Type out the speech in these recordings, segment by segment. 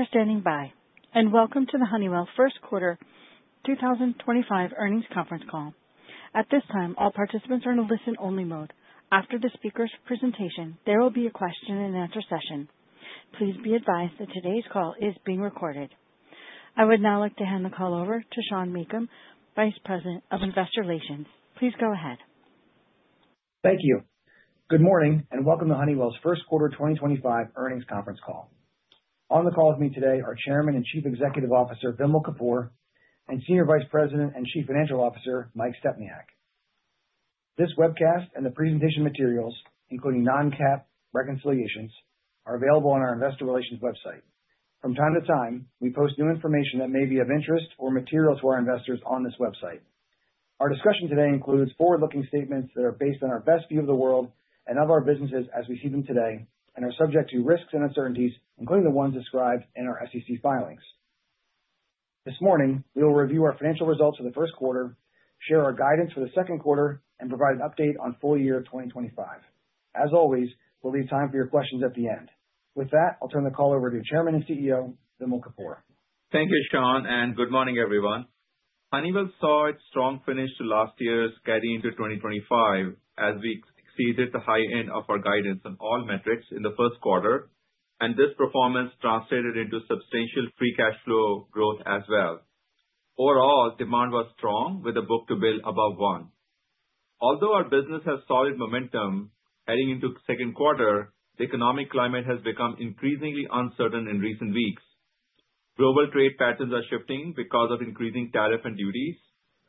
Thank you for standing by, and welcome to the Honeywell First Quarter 2025 Earnings Conference Call. At this time, all participants are in a listen-only mode. After the speaker's presentation, there will be a question-and-answer session. Please be advised that today's call is being recorded. I would now like to hand the call over to Sean Meakim, Vice President of Investor Relations. Please go ahead. Thank you. Good morning, and welcome to Honeywell's First Quarter 2025 earnings conference call. On the call with me today are Chairman and Chief Executive Officer Vimal Kapur, and Senior Vice President and Chief Financial Officer Mike Stepniak. This webcast and the presentation materials, including non-GAAP reconciliations, are available on our Investor Relations website. From time to time, we post new information that may be of interest or material to our investors on this website. Our discussion today includes forward-looking statements that are based on our best view of the world and of our businesses as we see them today, and are subject to risks and uncertainties, including the ones described in our SEC filings. This morning, we will review our financial results for the first quarter, share our guidance for the second quarter, and provide an update on full year 2025. As always, we'll leave time for your questions at the end. With that, I'll turn the call over to Chairman and CEO Vimal Kapur. Thank you, Sean, and good morning, everyone. Honeywell saw its strong finish to last year carry into 2025, as we exceeded the high end of our guidance on all metrics in the first quarter, and this performance translated into substantial free cash flow growth as well. Overall, demand was strong, with a book-to-bill above one. Although our business has solid momentum heading into the second quarter, the economic climate has become increasingly uncertain in recent weeks. Global trade patterns are shifting because of increasing tariffs and duties,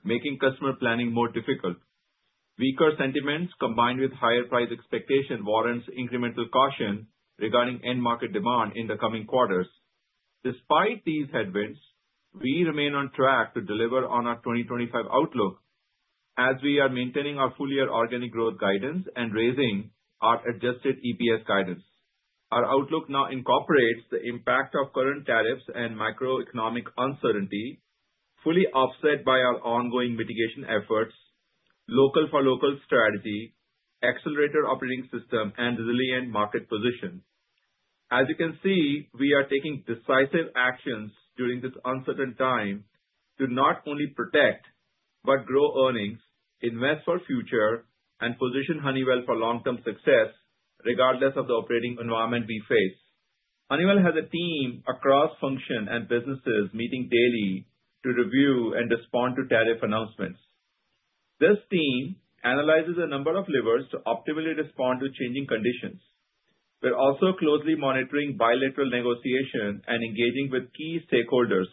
making customer planning more difficult. Weaker sentiments combined with higher price expectations warrant incremental caution regarding end-market demand in the coming quarters. Despite these headwinds, we remain on track to deliver on our 2025 outlook, as we are maintaining our full-year organic growth guidance and raising our adjusted EPS guidance. Our outlook now incorporates the impact of current tariffs and macroeconomic uncertainty, fully offset by our ongoing mitigation efforts, local-for-local strategy, accelerated operating system, and resilient market position. As you can see, we are taking decisive actions during this uncertain time to not only protect but grow earnings, invest for the future, and position Honeywell for long-term success, regardless of the operating environment we face. Honeywell has a team across functions and businesses meeting daily to review and respond to tariff announcements. This team analyzes a number of levers to optimally respond to changing conditions. We're also closely monitoring bilateral negotiations and engaging with key stakeholders.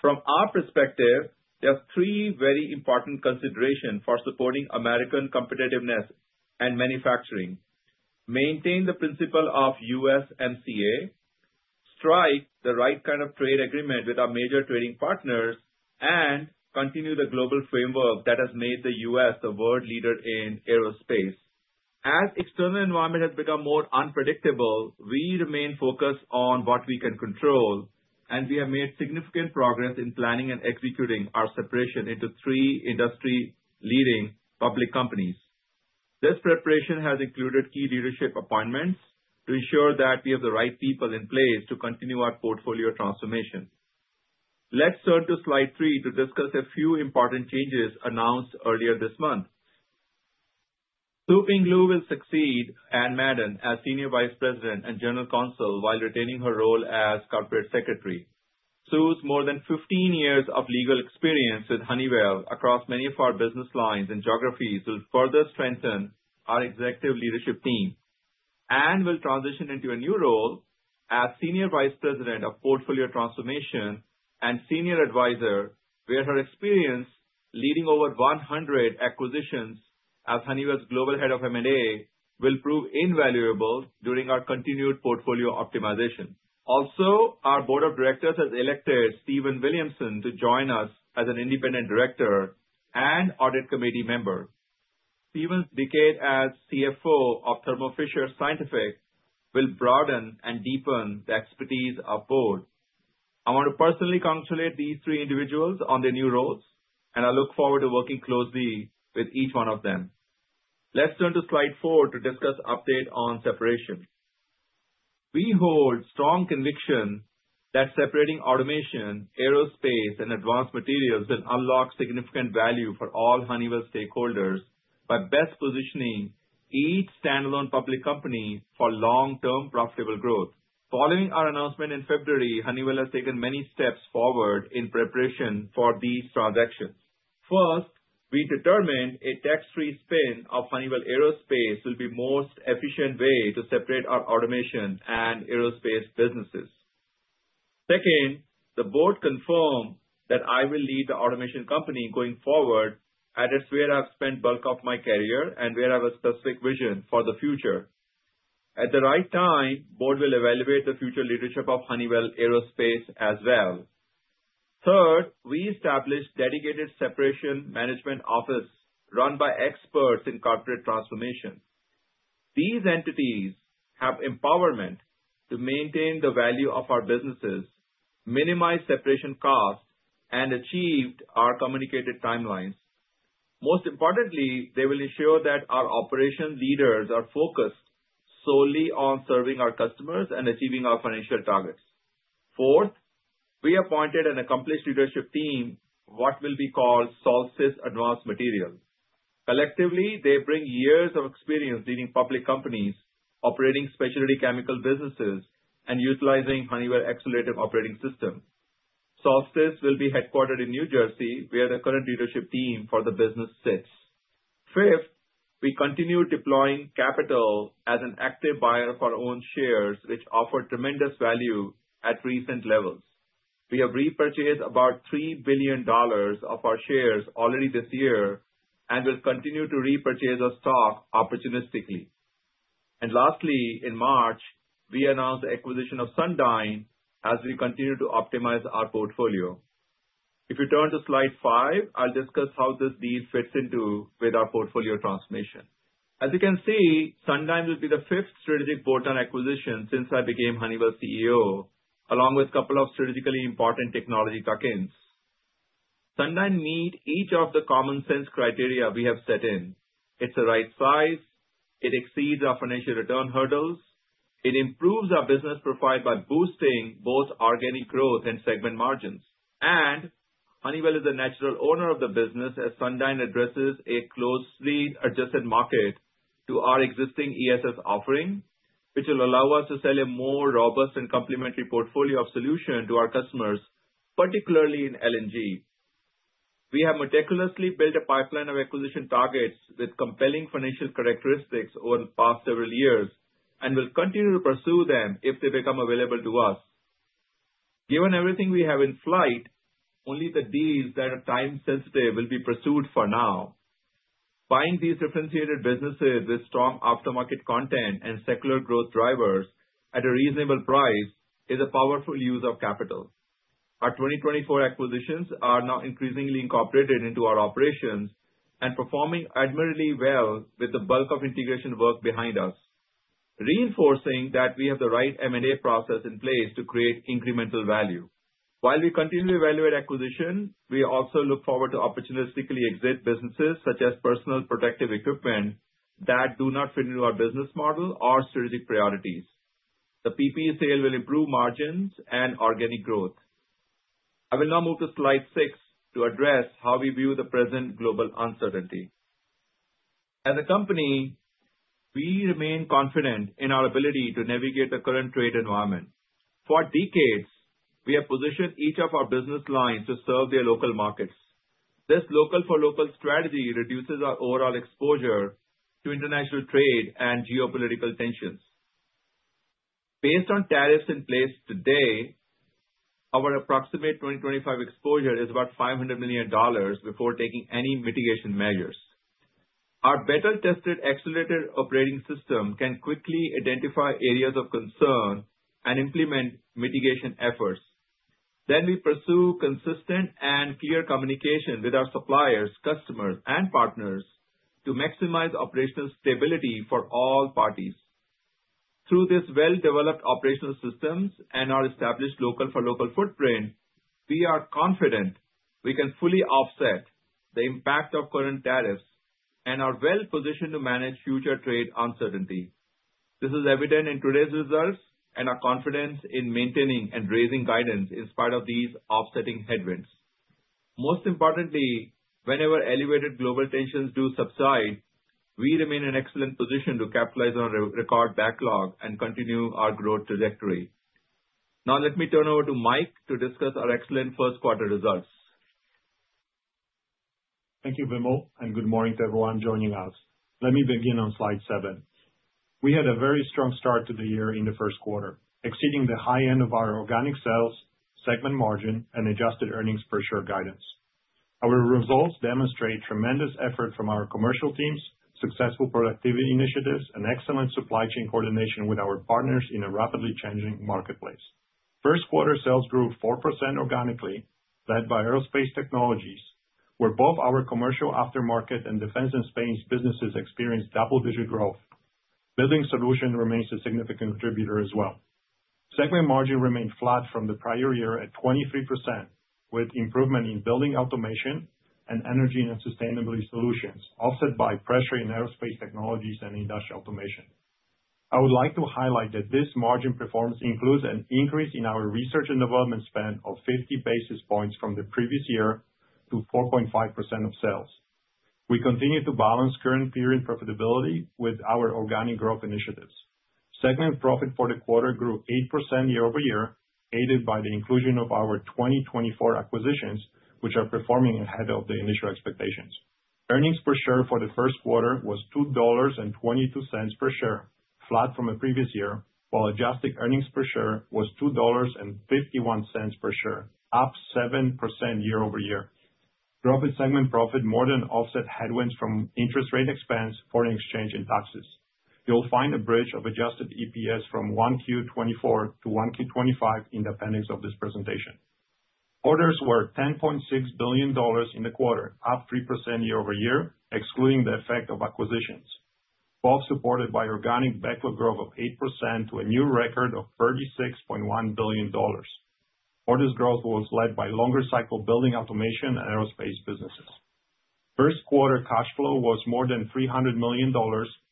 From our perspective, there are three very important considerations for supporting American competitiveness and manufacturing: maintain the principle of USMCA, strike the right kind of trade agreement with our major trading partners, and continue the global framework that has made the U.S. the world leader in Aerospace. As the external environment has become more unpredictable, we remain focused on what we can control, and we have made significant progress in planning and executing our separation into three industry-leading public companies. This preparation has included key leadership appointments to ensure that we have the right people in place to continue our portfolio transformation. Let's turn to slide three to discuss a few important changes announced earlier this month. Su Ping Lu will succeed Anne Madden as Senior Vice President and General Counsel while retaining her role as Corporate Secretary. Sue's more than 15 years of legal experience with Honeywell across many of our business lines and geographies will further strengthen our executive leadership team. Anne will transition into a new role as Senior Vice President of Portfolio Transformation and Senior Advisor, where her experience leading over 100 acquisitions as Honeywell's Global Head of M&A will prove invaluable during our continued portfolio optimization. Also, our Board of Directors has elected Stephen Williamson to join us as an independent director and audit committee member. Stephen's decade as CFO of Thermo Fisher Scientific will broaden and deepen the expertise of both. I want to personally congratulate these three individuals on their new roles, and I look forward to working closely with each one of them. Let's turn to slide four to discuss the update on separation. We hold strong conviction that separating automation, Aerospace, and Advanced Materials will unlock significant value for all Honeywell stakeholders by best positioning each standalone public company for long-term profitable growth. Following our announcement in February, Honeywell has taken many steps forward in preparation for these transactions. First, we determined a tax-free spin of Honeywell Aerospace will be the most efficient way to separate our automation and Aerospace businesses. Second, the board confirmed that I will lead the automation company going forward, at a spin where I've spent the bulk of my career and where I have a specific vision for the future. At the right time, the board will evaluate the future leadership of Honeywell Aerospace as well. Third, we established a dedicated separation management office run by experts in corporate transformation. These entities have empowerment to maintain the value of our businesses, minimize separation costs, and achieve our communicated timelines. Most importantly, they will ensure that our operation leaders are focused solely on serving our customers and achieving our financial targets. Fourth, we appointed an accomplished leadership team, what will be called Solstice Advanced Materials. Collectively, they bring years of experience leading public companies, operating specialty chemical businesses, and utilizing Honeywell's accelerated operating system. Solstice will be headquartered in New Jersey, where the current leadership team for the business sits. Fifth, we continue deploying capital as an active buyer for our own shares, which offer tremendous value at recent levels. We have repurchased about $3 billion of our shares already this year and will continue to repurchase our stock opportunistically. Lastly, in March, we announced the acquisition of Sundyne as we continue to optimize our portfolio. If you turn to slide five, I'll discuss how this deal fits into our portfolio transformation. As you can see, Sundyne will be the fifth strategic bolt-on acquisition since I became Honeywell CEO, along with a couple of strategically important technology tuck-ins. Sundyne meets each of the common sense criteria we have set in. It's the right size. It exceeds our financial return hurdles. It improves our business profile by boosting both organic growth and segment margins. Honeywell is the natural owner of the business as Sundyne addresses a closely adjacent market to our existing ESS offering, which will allow us to sell a more robust and complementary portfolio of solutions to our customers, particularly in LNG. We have meticulously built a pipeline of acquisition targets with compelling financial characteristics over the past several years and will continue to pursue them if they become available to us. Given everything we have in sight, only the deals that are time-sensitive will be pursued for now. Buying these differentiated businesses with strong aftermarket content and secular growth drivers at a reasonable price is a powerful use of capital. Our 2024 acquisitions are now increasingly incorporated into our operations and performing admirably well with the bulk of integration work behind us, reinforcing that we have the right M&A process in place to create incremental value. While we continue to evaluate acquisitions, we also look forward to opportunistically exit businesses such as personal protective equipment that do not fit into our business model or strategic priorities. The PPE sale will improve margins and organic growth. I will now move to slide six to address how we view the present global uncertainty. As a company, we remain confident in our ability to navigate the current trade environment. For decades, we have positioned each of our business lines to serve their local markets. This local-for-local strategy reduces our overall exposure to international trade and geopolitical tensions. Based on tariffs in place today, our approximate 2025 exposure is about $500 million before taking any mitigation measures. Our better-tested accelerated operating system can quickly identify areas of concern and implement mitigation efforts. We pursue consistent and clear communication with our suppliers, customers, and partners to maximize operational stability for all parties. Through this well-developed operational system and our established local-for-local footprint, we are confident we can fully offset the impact of current tariffs and are well-positioned to manage future trade uncertainty. This is evident in today's results and our confidence in maintaining and raising guidance in spite of these offsetting headwinds. Most importantly, whenever elevated global tensions do subside, we remain in excellent position to capitalize on our record backlog and continue our growth trajectory. Now, let me turn over to Mike to discuss our excellent first-quarter results. Thank you, Vimal, and good morning to everyone joining us. Let me begin on slide seven. We had a very strong start to the year in the first quarter, exceeding the high end of our organic sales, segment margin, and adjusted earnings per share guidance. Our results demonstrate tremendous effort from our commercial teams, successful productivity initiatives, and excellent supply chain coordination with our partners in a rapidly changing marketplace. First-quarter sales grew 4% organically, led by Aerospace Technologies, where both our Commercial Aftermarket and Defense and Space businesses experienced double-digit growth. Building Solutions remains a significant contributor as well. Segment margin remained flat from the prior year at 23%, with improvement in Building Automation and Energy and Sustainability Solutions, offset by pressure in Aerospace Technologies and Industrial Automation. I would like to highlight that this margin performance includes an increase in our research and development spend of 50 basis points from the previous year to 4.5% of sales. We continue to balance current period profitability with our organic growth initiatives. Segment profit for the quarter grew 8% year over year, aided by the inclusion of our 2024 acquisitions, which are performing ahead of the initial expectations. Earnings per share for the first quarter was $2.22 per share, flat from a previous year, while adjusted earnings per share was $2.51 per share, up 7% year over year. Growth in segment profit more than offset headwinds from interest rate expense, foreign exchange, and taxes. You'll find a bridge of adjusted EPS from 1Q24 to 1Q25 in the appendix of this presentation. Orders were $10.6 billion in the quarter, up 3% year over year, excluding the effect of acquisitions, both supported by organic backlog growth of 8% to a new record of $36.1 billion. Orders growth was led by longer-cycle Building Automation and Aerospace businesses. First-Quarter cash flow was more than $300 million,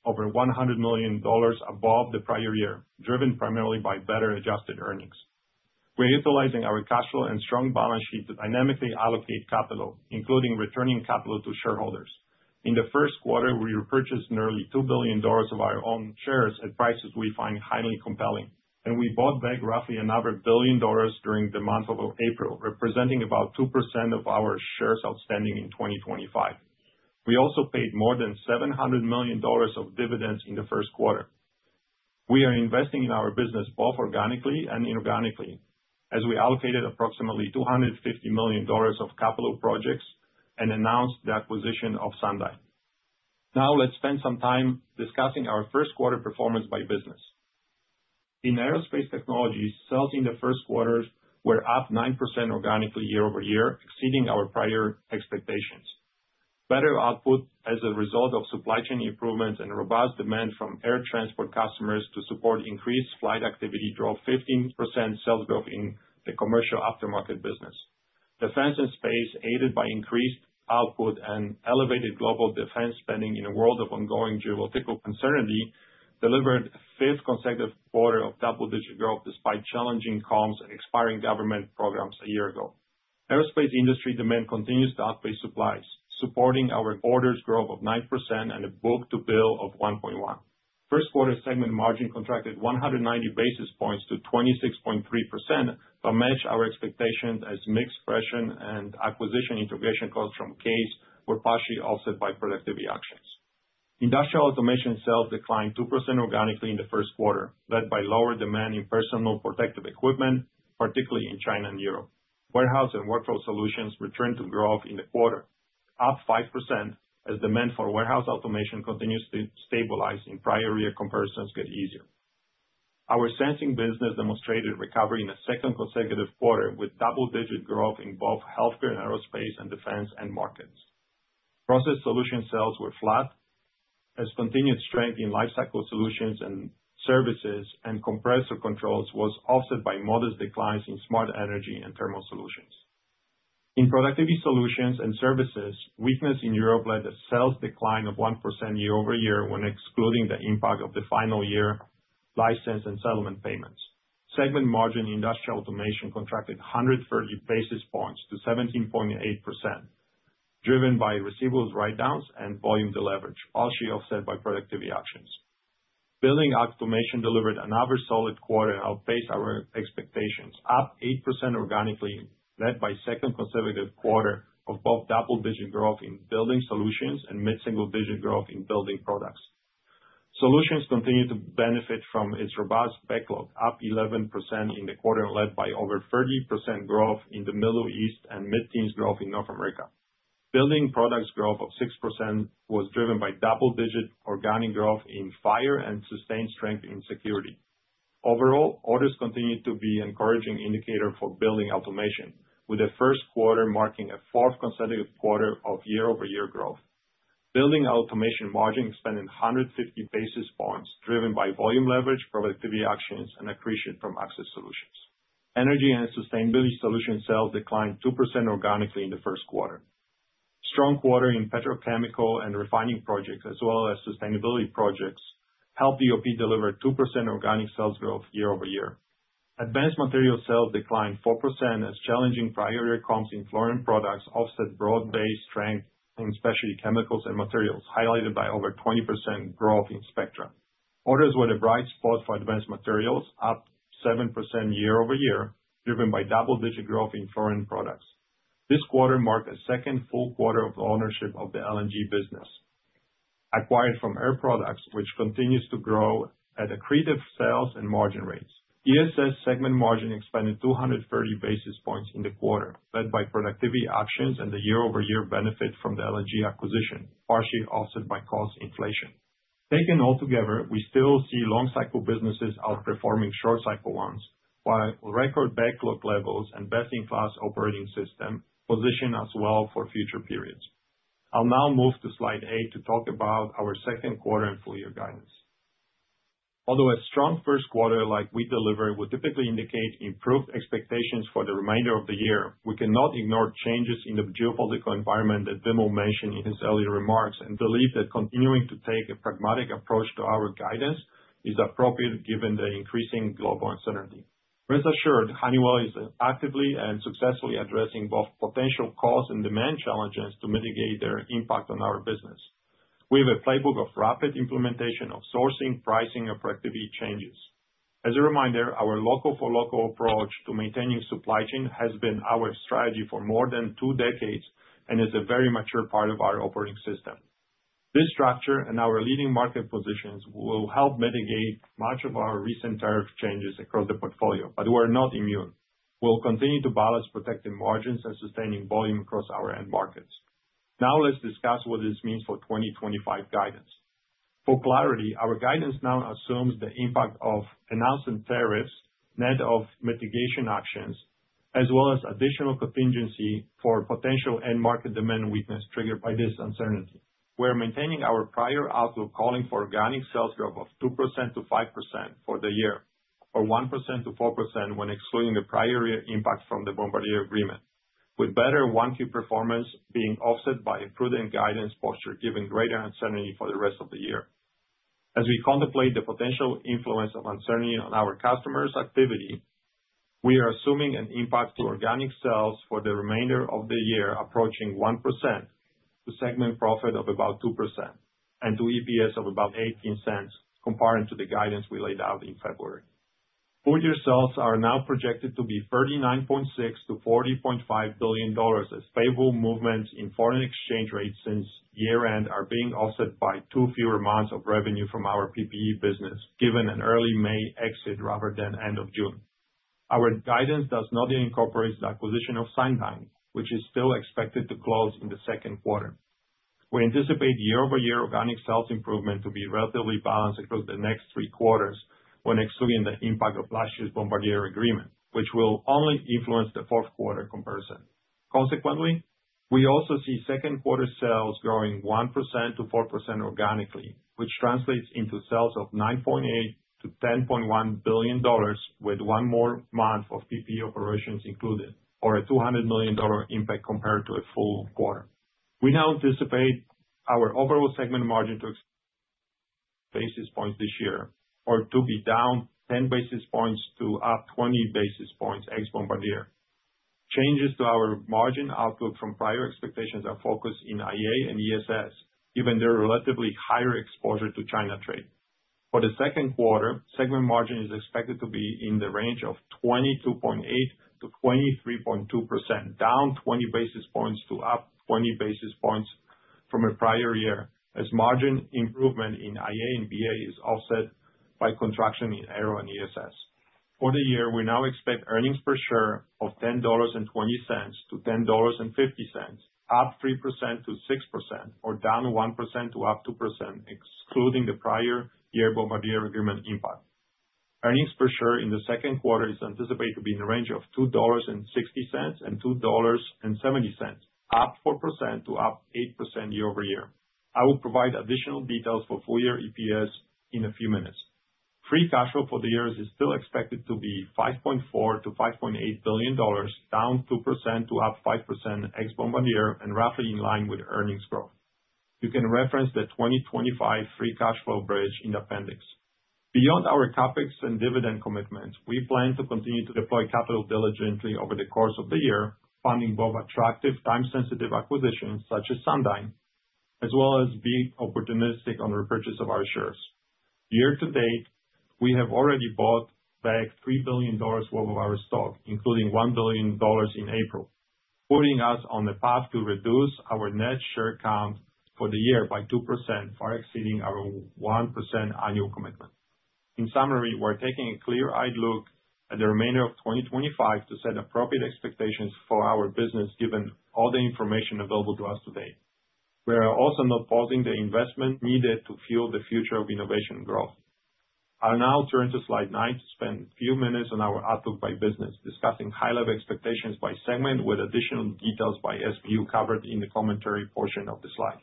over $100 million above the prior year, driven primarily by better adjusted earnings. We're utilizing our cash flow and strong balance sheet to dynamically allocate capital, including returning capital to shareholders. In the first quarter, we repurchased nearly $2 billion of our own shares at prices we find highly compelling, and we bought back roughly another $1 billion during the month of April, representing about 2% of our shares outstanding in 2025. We also paid more than $700 million of dividends in the first quarter. We are investing in our business both organically and inorganically, as we allocated approximately $250 million of capital projects and announced the acquisition of Sundyne. Now, let's spend some time discussing our first-quarter performance by business. In Aerospace Technologies, sales in the first quarter were up 9% organically year over year, exceeding our prior expectations. Better output as a result of supply chain improvements and robust demand from air transport customers to support increased flight activity drove 15% sales growth in the commercial aftermarket business. Defense and Space, aided by increased output and elevated global defense spending in a world of ongoing geopolitical uncertainty, delivered a fifth consecutive quarter of double-digit growth despite challenging comps and expiring government programs a year ago. Aerospace industry demand continues to outpace supplies, supporting our orders growth of 9% and a book-to-bill of 1.1. First-quarter segment margin contracted 190 basis points to 26.3% to match our expectations as mixed pressure and acquisition integration costs from CAES were partially offset by productivity actions. Industrial Automation sales declined 2% organically in the first quarter, led by lower demand in personal protective equipment, particularly in China and Europe. Warehouse and Workflow Solutions returned to growth in the quarter, up 5% as demand for warehouse automation continues to stabilize in prior year comparisons, getting easier. Our Sensing business demonstrated recovery in a second consecutive quarter with double-digit growth in both healthcare and Aerospace and defense end markets. Process Solutions sales were flat as continued strength in Lifecycle Solutions and Services and Compressor Controls was offset by modest declines in Smart Energy and Thermal Solutions. In Productivity Solutions and Services, weakness in Europe led to sales decline of 1% year over year when excluding the impact of the final year license and settlement payments. Segment margin in Industrial Automation contracted 130 basis points to 17.8%, driven by receivables write-downs and volume deleverage, partially offset by productivity actions. Building Automation delivered another solid quarter and outpaced our expectations, up 8% organically, led by second consecutive quarter of both double-digit growth in Building Solutions and mid-single-digit growth in Building Products. Solutions continue to benefit from its robust backlog, up 11% in the quarter, led by over 30% growth in the Middle East and mid-teens growth in North America. Building Products growth of 6% was driven by double-digit organic growth in fire and sustained strength in security. Overall, orders continue to be an encouraging indicator for Building Automation, with the first quarter marking a fourth consecutive quarter of year-over-year growth. Building Automation margin expanded 150 basis points, driven by volume leverage, productivity actions, and accretion from Access Solutions. Energy and sustainability solution sales declined 2% organically in the first quarter. Strong quarter in petrochemical and refining projects, as well as sustainability projects, helped UOP deliver 2% organic sales growth year over year. Advanced Materials sales declined 4% as challenging prior year comps in Fluorine Products offset broad-based strength in specialty chemicals and materials, highlighted by over 20% growth in Spectra. Orders were the bright spot for Advanced Materials, up 7% year over year, driven by double-digit growth in Fluorine Products. This quarter marked a second full quarter of ownership of the LNG business, acquired from Air Products, which continues to grow at accretive sales and margin rates. ESS segment margin expanded 230 basis points in the quarter, led by productivity actions and the year-over-year benefit from the LNG acquisition, partially offset by cost inflation. Taken all together, we still see long-cycle businesses outperforming short-cycle ones, while record backlog levels and best-in-class operating system position us well for future periods. I'll now move to slide eight to talk about our second quarter and full-year guidance. Although a strong first quarter like we deliver would typically indicate improved expectations for the remainder of the year, we cannot ignore changes in the geopolitical environment that Vimal mentioned in his earlier remarks and believe that continuing to take a pragmatic approach to our guidance is appropriate given the increasing global uncertainty. Rest assured, Honeywell is actively and successfully addressing both potential cost and demand challenges to mitigate their impact on our business. We have a playbook of rapid implementation of sourcing, pricing, and productivity changes. As a reminder, our local-for-local approach to maintaining supply chain has been our strategy for more than two decades and is a very mature part of our operating system. This structure and our leading market positions will help mitigate much of our recent tariff changes across the portfolio, but we're not immune. We'll continue to balance protective margins and sustaining volume across our end markets. Now, let's discuss what this means for 2025 guidance. For clarity, our guidance now assumes the impact of announced tariffs, net of mitigation actions, as well as additional contingency for potential end market demand weakness triggered by this uncertainty. We're maintaining our prior outlook calling for organic sales growth of 2% to 5% for the year, or 1% to 4% when excluding the prior year impact from the Bombardier agreement, with better 1Q performance being offset by prudent guidance posture given greater uncertainty for the rest of the year. As we contemplate the potential influence of uncertainty on our customers' activity, we are assuming an impact to organic sales for the remainder of the year approaching 1%, to segment profit of about 2%, and to EPS of about $0.18, compared to the guidance we laid out in February. Full-year sales are now projected to be $39.6 billion-$40.5 billion as favorable movements in foreign exchange rates since year-end are being offset by two fewer months of revenue from our PPE business, given an early May exit rather than end of June. Our guidance does not yet incorporate the acquisition of Sundyne, which is still expected to close in the second quarter. We anticipate year-over-year organic sales improvement to be relatively balanced across the next three quarters when excluding the impact of last year's Bombardier agreement, which will only influence the fourth quarter comparison. Consequently, we also see second-quarter sales growing 1%-4% organically, which translates into sales of $9.8-$10.1 billion, with one more month of PPE operations included, or a $200 million impact compared to a full quarter. We now anticipate our overall segment margin to basis points this year, or to be down 10 basis points to up 20 basis points ex-Bombardier. Changes to our margin outlook from prior expectations are focused in IA and ESS, given their relatively higher exposure to China trade. For the second quarter, segment margin is expected to be in the range of 22.8%-23.2%, down 20 basis points to up 20 basis points from a prior year, as margin improvement in IA and BA is offset by contraction in Aero and ESS. For the year, we now expect earnings per share of $10.20-$10.50, up 3%-6%, or down 1% to up 2%, excluding the prior year Bombardier agreement impact. Earnings per share in the second quarter is anticipated to be in the range of $2.60-$2.70, up 4% to up 8% year over year. I will provide additional details for full-year EPS in a few minutes. Free cash flow for the year is still expected to be $5.4-$5.8 billion, down 2% to up 5% ex-Bombardier, and roughly in line with earnings growth. You can reference the 2025 free cash flow bridge in the appendix. Beyond our CapEx and dividend commitments, we plan to continue to deploy capital diligently over the course of the year, funding both attractive time-sensitive acquisitions such as Sundyne, as well as being opportunistic on repurchase of our shares. Year to date, we have already bought back $3 billion worth of our stock, including $1 billion in April, putting us on the path to reduce our net share count for the year by 2%, far exceeding our 1% annual commitment. In summary, we're taking a clear-eyed look at the remainder of 2025 to set appropriate expectations for our business, given all the information available to us today. We are also not pausing the investment needed to fuel the future of innovation and growth. I'll now turn to slide nine to spend a few minutes on our outlook by business, discussing high-level expectations by segment with additional details by SPU covered in the commentary portion of the slide.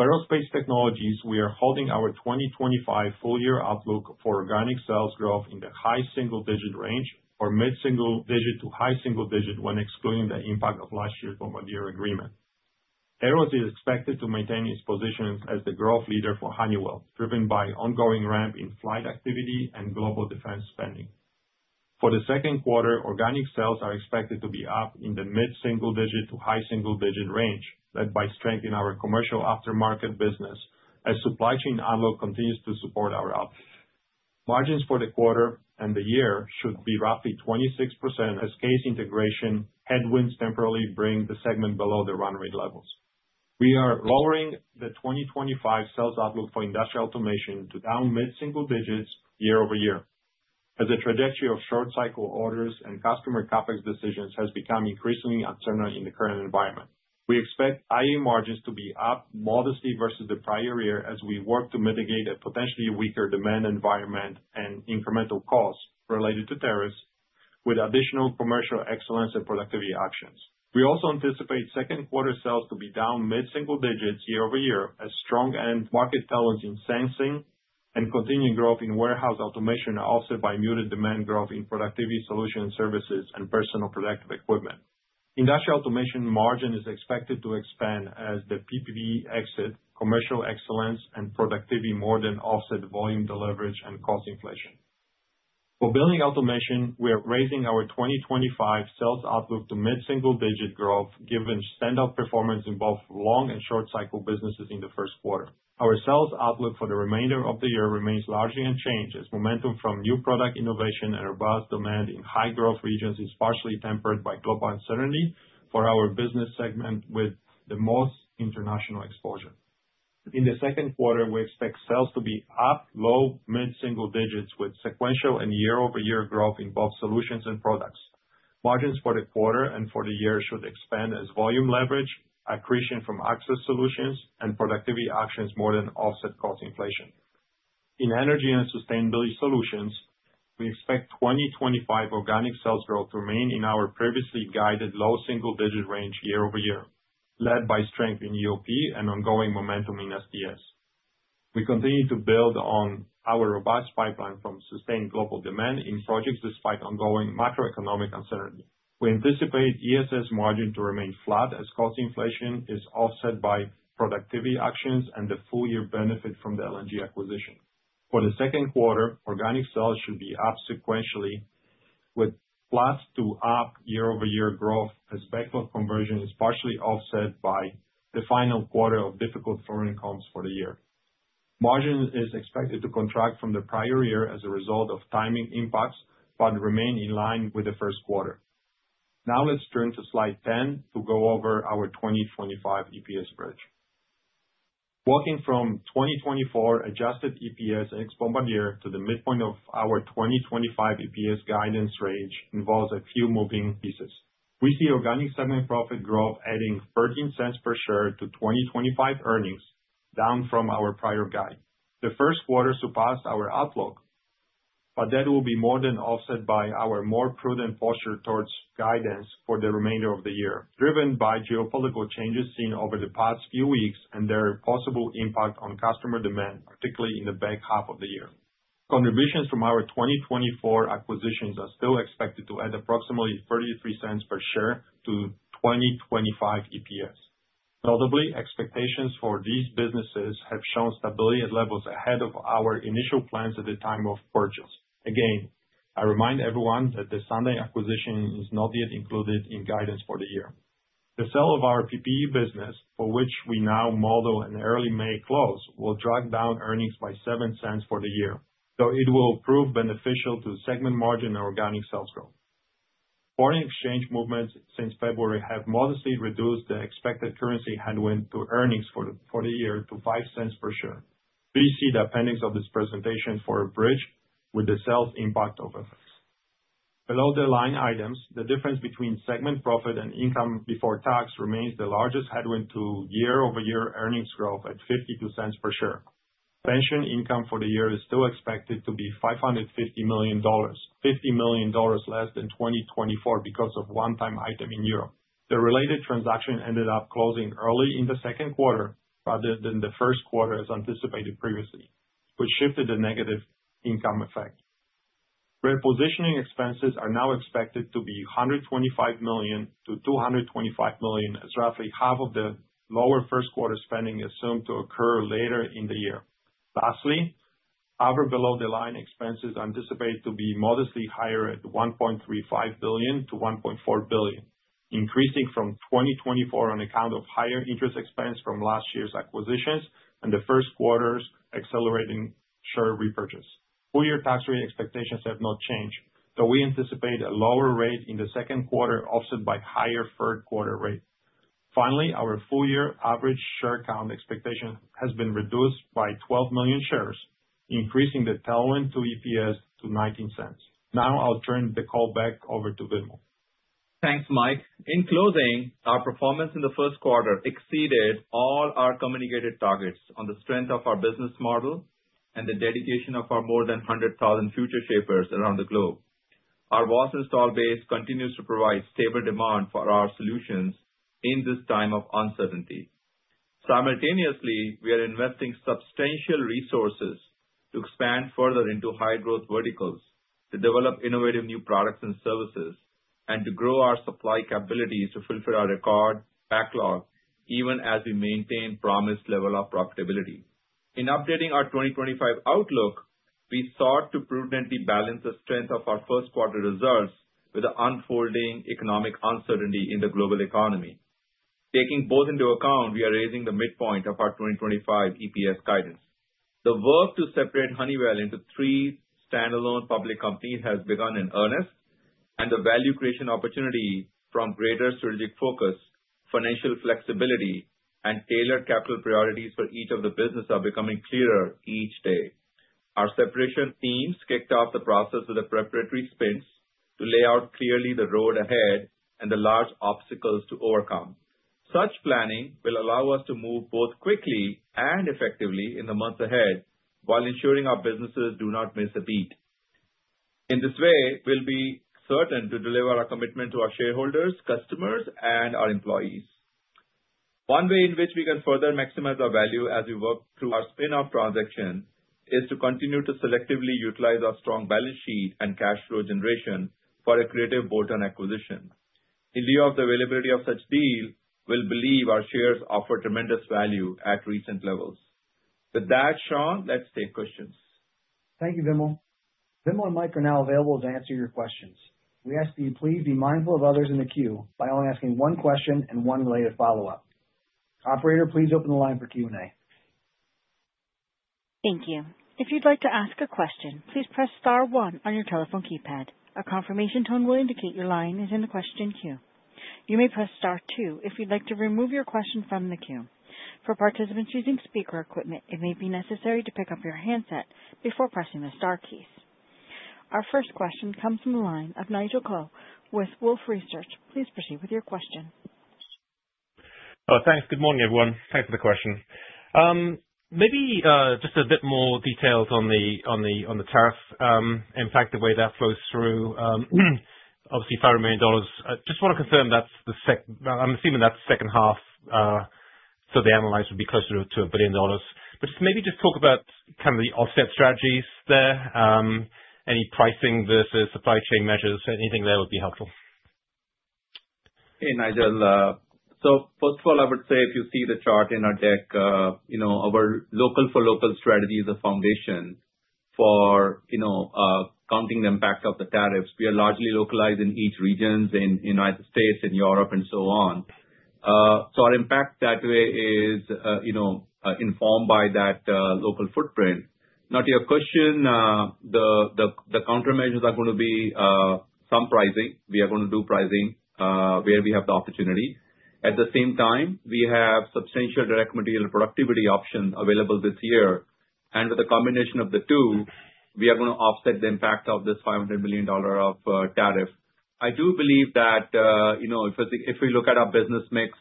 For Aerospace Technologies, we are holding our 2025 full-year outlook for organic sales growth in the high single-digit range or mid-single-digit to high single-digit when excluding the impact of last year's Bombardier agreement. Aerospace is expected to maintain its position as the growth leader for Honeywell, driven by ongoing ramp in flight activity and global defense spending. For the second quarter, organic sales are expected to be up in the mid-single-digit to high single-digit range, led by strength in our commercial aftermarket business as supply chain outlook continues to support our outlook. Margins for the quarter and the year should be roughly 26% as CAES integration headwinds temporarily bring the segment below the run rate levels. We are lowering the 2025 sales outlook for Industrial Automation to down mid-single digits year over year, as the trajectory of short-cycle orders and customer CapEx decisions has become increasingly uncertain in the current environment. We expect IA margins to be up modestly versus the prior year as we work to mitigate a potentially weaker demand environment and incremental costs related to tariffs with additional commercial excellence and productivity actions. We also anticipate second-quarter sales to be down mid-single digits year over year as strong end market talents in Sensing and continuing growth in warehouse automation are offset by muted demand growth in productivity solution services and personal protective equipment. Industrial Automation margin is expected to expand as the PPE exit, commercial excellence, and productivity more than offset volume deleverage and cost inflation. For Building Automation, we are raising our 2025 sales outlook to mid-single digit growth, given standout performance in both long and short-cycle businesses in the first quarter. Our sales outlook for the remainder of the year remains largely unchanged as momentum from new product innovation and robust demand in high-growth regions is partially tempered by global uncertainty for our business segment with the most international exposure. In the second quarter, we expect sales to be up, low, mid-single digits with sequential and year-over-year growth in both solutions and products. Margins for the quarter and for the year should expand as volume leverage, accretion from Access Solutions, and productivity actions more than offset cost inflation. In Energy and Sustainability Solutions, we expect 2025 organic sales growth to remain in our previously guided low single-digit range year over year, led by strength in UOP and ongoing momentum in STS. We continue to build on our robust pipeline from sustained global demand in projects despite ongoing macroeconomic uncertainty. We anticipate ESS margin to remain flat as cost inflation is offset by productivity actions and the full-year benefit from the LNG acquisition. For the second quarter, organic sales should be up sequentially with plus to up year-over-year growth as backlog conversion is partially offset by the final quarter of difficult fluorine comps for the year. Margin is expected to contract from the prior year as a result of timing impacts, but remain in line with the first quarter. Now, let's turn to slide 10 to go over our 2025 EPS bridge. Walking from 2024 adjusted EPS ex-Bombardier to the midpoint of our 2025 EPS guidance range involves a few moving pieces. We see organic segment profit growth adding 13 cents per share to 2025 earnings, down from our prior guide. The first quarter surpassed our outlook, but that will be more than offset by our more prudent posture towards guidance for the remainder of the year, driven by geopolitical changes seen over the past few weeks and their possible impact on customer demand, particularly in the back half of the year. Contributions from our 2024 acquisitions are still expected to add approximately $0.33 per share to 2025 EPS. Notably, expectations for these businesses have shown stability at levels ahead of our initial plans at the time of purchase. Again, I remind everyone that the Sundyne acquisition is not yet included in guidance for the year. The sale of our PPE business, for which we now model an early May close, will drag down earnings by $0.07 for the year, though it will prove beneficial to segment margin and organic sales growth. Foreign exchange movements since February have modestly reduced the expected currency headwind to earnings for the year to $0.05 per share. Please see the appendix of this presentation for a bridge with the sales impact of effects. Below the line items, the difference between segment profit and income before tax remains the largest headwind to year-over-year earnings growth at $0.52 per share. Pension income for the year is still expected to be $550 million, $50 million less than 2024 because of one-time item in Europe. The related transaction ended up closing early in the second quarter rather than the first quarter, as anticipated previously, which shifted the negative income effect. Repositioning expenses are now expected to be $125 million-$225 million, as roughly half of the lower first-quarter spending assumed to occur later in the year. Lastly, other below-the-line expenses are anticipated to be modestly higher at $1.35 billion-$1.4 billion, increasing from 2024 on account of higher interest expense from last year's acquisitions and the first quarter's accelerating share repurchase. Full-year tax rate expectations have not changed, though we anticipate a lower rate in the second quarter offset by higher third-quarter rate. Finally, our full-year average share count expectation has been reduced by 12 million shares, increasing the tailwind to EPS to $0.19. Now, I'll turn the call back over to Vimal. Thanks, Mike. In closing, our performance in the first quarter exceeded all our communicated targets on the strength of our business model and the dedication of our more than 100,000 Futureshapers around the globe. Our walls and installed base continues to provide stable demand for our solutions in this time of uncertainty. Simultaneously, we are investing substantial resources to expand further into high-growth verticals, to develop innovative new products and services, and to grow our supply capabilities to fulfill our record backlog, even as we maintain promised level of profitability. In updating our 2025 outlook, we sought to prudently balance the strength of our first-quarter results with the unfolding economic uncertainty in the global economy. Taking both into account, we are raising the midpoint of our 2025 EPS guidance. The work to separate Honeywell into three standalone public companies has begun in earnest, and the value creation opportunity from greater strategic focus, financial flexibility, and tailored capital priorities for each of the businesses is becoming clearer each day. Our separation teams kicked off the process with a preparatory spin to lay out clearly the road ahead and the large obstacles to overcome. Such planning will allow us to move both quickly and effectively in the months ahead while ensuring our businesses do not miss a beat. In this way, we'll be certain to deliver our commitment to our shareholders, customers, and our employees. One way in which we can further maximize our value as we work through our spin-off transaction is to continue to selectively utilize our strong balance sheet and cash flow generation for a accretive bolt-on acquisition. In lieu of the availability of such deal, we believe our shares offer tremendous value at recent levels. With that, Sean, let's take questions. Thank you, Vimal. Vimal and Mike are now available to answer your questions. We ask that you please be mindful of others in the queue by only asking one question and one related follow-up. Operator, please open the line for Q&A. Thank you. If you'd like to ask a question, please press star one on your telephone keypad. A confirmation tone will indicate your line is in the question queue. You may press star two if you'd like to remove your question from the queue. For participants using speaker equipment, it may be necessary to pick up your handset before pressing the Star keys. Our first question comes from the line of Nigel Coe with Wolfe Research. Please proceed with your question. Thanks. Good morning, everyone. Thanks for the question. Maybe just a bit more details on the tariff, in fact, the way that flows through, obviously, $500 million. Just want to confirm that's the second—I’m assuming that's the second half, so the annualized would be closer to a billion dollars. Just maybe talk about kind of the offset strategies there, any pricing versus supply chain measures, anything there would be helpful. Hey, Nigel. First of all, I would say if you see the chart in our deck, our local-for-local strategy is a foundation for counting the impact of the tariffs. We are largely localized in each region, in the United States, in Europe, and so on. Our impact that way is informed by that local footprint. Now, to your question, the countermeasures are going to be some pricing. We are going to do pricing where we have the opportunity. At the same time, we have substantial direct material productivity options available this year. With a combination of the two, we are going to offset the impact of this $500 million of tariff. I do believe that if we look at our business mix,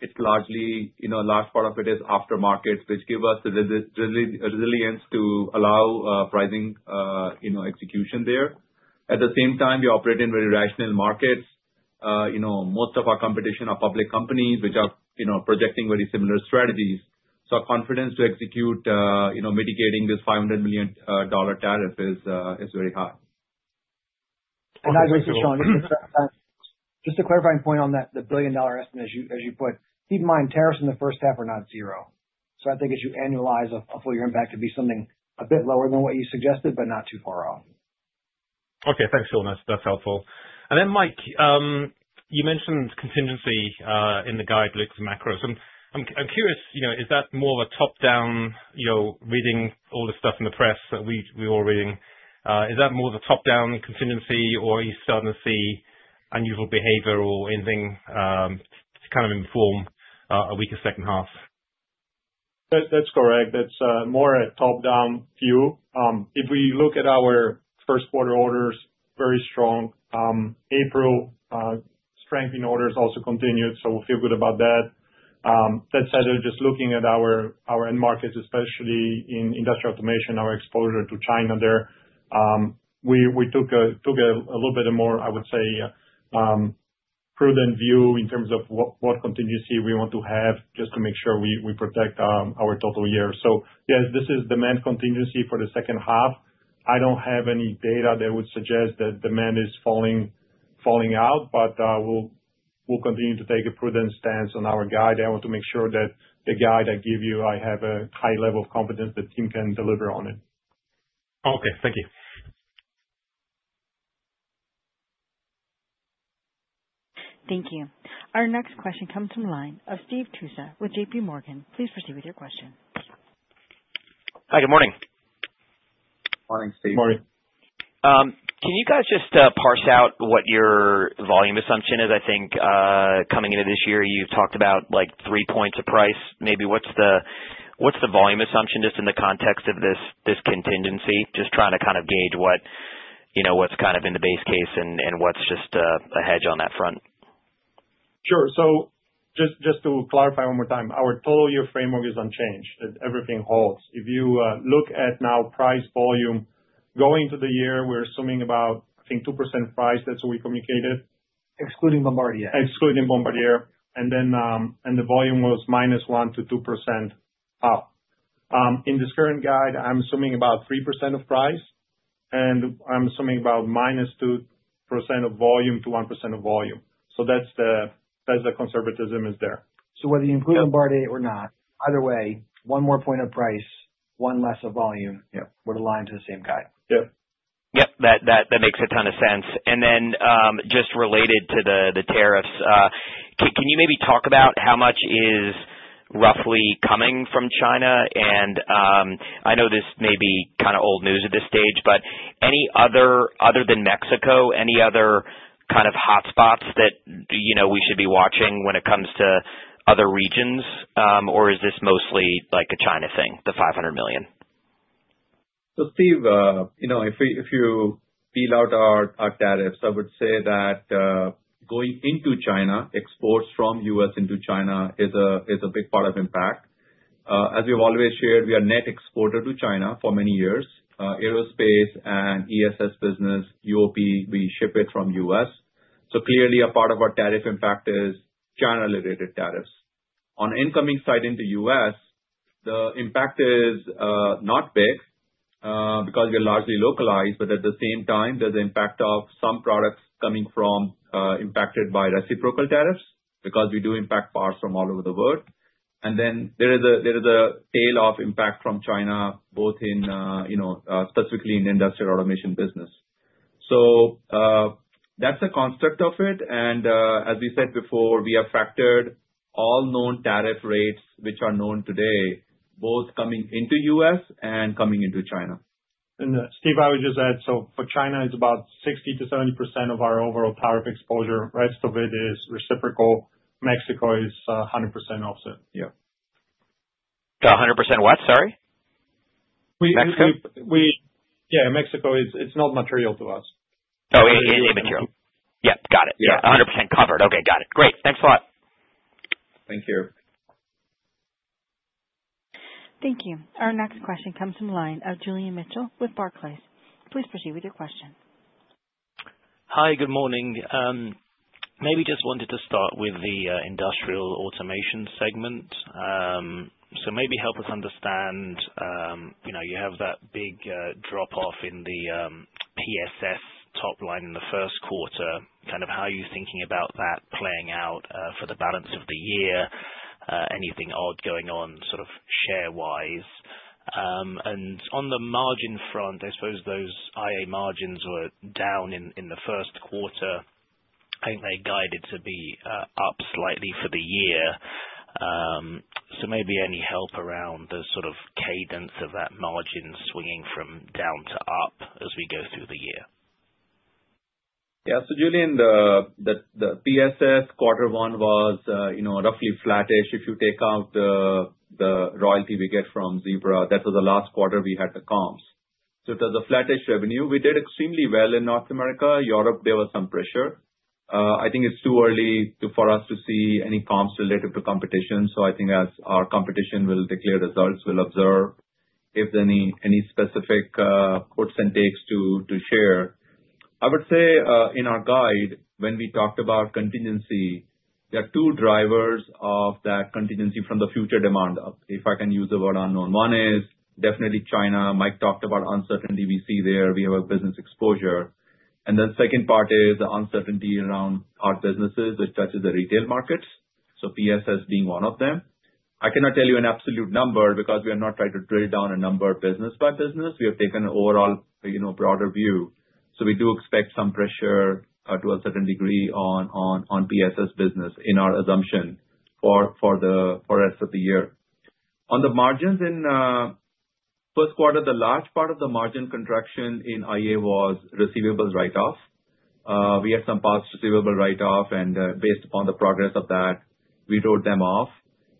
it's largely a large part of it is aftermarkets, which give us the resilience to allow pricing execution there. At the same time, we operate in very rational markets. Most of our competition are public companies, which are projecting very similar strategies. Our confidence to execute mitigating this $500 million tariff is very high. I agree with you, Sean. Just a clarifying point on the billion-dollar estimate, as you put, keep in mind tariffs in the first half are not zero. I think as you annualize a full-year impact, it'd be something a bit lower than what you suggested, but not too far off. Okay. Thanks, Vimal. That's helpful. Mike, you mentioned contingency in the guide, look at macros. I'm curious, is that more of a top-down reading all the stuff in the press that we were reading? Is that more of a top-down contingency, or are you starting to see unusual behavior or anything to kind of inform a weaker second half? That's correct. It's more a top-down view. If we look at our first-quarter orders, very strong. April strength in orders also continued, so we feel good about that. That said, just looking at our end markets, especially in Industrial Automation, our exposure to China there, we took a little bit of a more, I would say, prudent view in terms of what contingency we want to have just to make sure we protect our total year. Yes, this is demand contingency for the second half. I do not have any data that would suggest that demand is falling out, but we will continue to take a prudent stance on our guide. I want to make sure that the guide I give you, I have a high level of confidence the team can deliver on it. Okay. Thank you. Thank you. Our next question comes from the line of Steve Tusa with J.P. Morgan. Please proceed with your question. Hi. Good morning. Can you guys just parse out what your volume assumption is? I think coming into this year, you have talked about three points of price. Maybe what is the volume assumption just in the context of this contingency? Just trying to kind of gauge what is kind of in the base case and what is just a hedge on that front. Sure. Just to clarify one more time, our total year framework is unchanged. Everything holds. If you look at now price volume going into the year, we're assuming about, I think, 2% price. That's what we communicated. Excluding Bombardier. Excluding Bombardier. And the volume was minus 1-2% up. In this current guide, I'm assuming about 3% of price, and I'm assuming about minus 2% of volume to 1% of volume. That is the conservatism is there. Whether you include Bombardier or not, either way, one more point of price, one less of volume would align to the same guide. Yep. Yep. That makes a ton of sense. Just related to the tariffs, can you maybe talk about how much is roughly coming from China? I know this may be kind of old news at this stage, but other than Mexico, any other kind of hotspots that we should be watching when it comes to other regions, or is this mostly a China thing, the $500 million? Steve, if you peel out our tariffs, I would say that going into China, exports from the U.S. into China is a big part of impact. As we've always shared, we are a net exporter to China for many years. Aerospace and ESS business, UOP, we ship it from the U.S. Clearly, a part of our tariff impact is China-related tariffs. On the incoming side into the U.S., the impact is not big because we're largely localized, but at the same time, there's the impact of some products coming from impacted by reciprocal tariffs because we do impact parts from all over the world. There is a tail of impact from China, both specifically in Industrial Automation business. That is the construct of it. As we said before, we have factored all known tariff rates which are known today, both coming into the U.S. and coming into China. Steve, I would just add, for China, it is about 60-70% of our overall tariff exposure. The rest of it is reciprocal. Mexico is 100% offset. Yeah. 100% what? Sorry. Mexico? Yeah. Mexico, it is not material to us. Oh, it is immaterial. Yeah. Got it. Yeah. 100% covered. Okay. Got it. Great. Thanks a lot. Thank you. Thank you. Our next question comes from the line of Julian Mitchell with Barclays. Please proceed with your question. Hi. Good morning. Maybe just wanted to start with the Industrial Automation segment. Maybe help us understand you have that big drop-off in the PSS top line in the first quarter. Kind of how are you thinking about that playing out for the balance of the year? Anything odd going on, sort of share-wise? On the margin front, I suppose those IA margins were down in the first quarter. I think they're guided to be up slightly for the year. Maybe any help around the sort of cadence of that margin swinging from down to up as we go through the year? Yeah. Julian, the PSS quarter one was roughly flattish. If you take out the royalty we get from Zebra, that was the last quarter we had the comps. It was a flattish revenue. We did extremely well in North America. Europe, there was some pressure. I think it's too early for us to see any comps relative to competition. I think as our competition will declare results, we'll observe if there are any specific puts and takes to share. I would say in our guide, when we talked about contingency, there are two drivers of that contingency from the future demand, if I can use the word unknown. One is definitely China. Mike talked about uncertainty we see there. We have a business exposure. The second part is the uncertainty around our businesses, which touches the retail markets. PSS being one of them. I cannot tell you an absolute number because we have not tried to drill down a number business by business. We have taken an overall broader view. We do expect some pressure to a certain degree on PSS business in our assumption for the rest of the year. On the margins in first quarter, the large part of the margin contraction in IA was receivables write-off. We had some past receivable write-off, and based upon the progress of that, we wrote them off.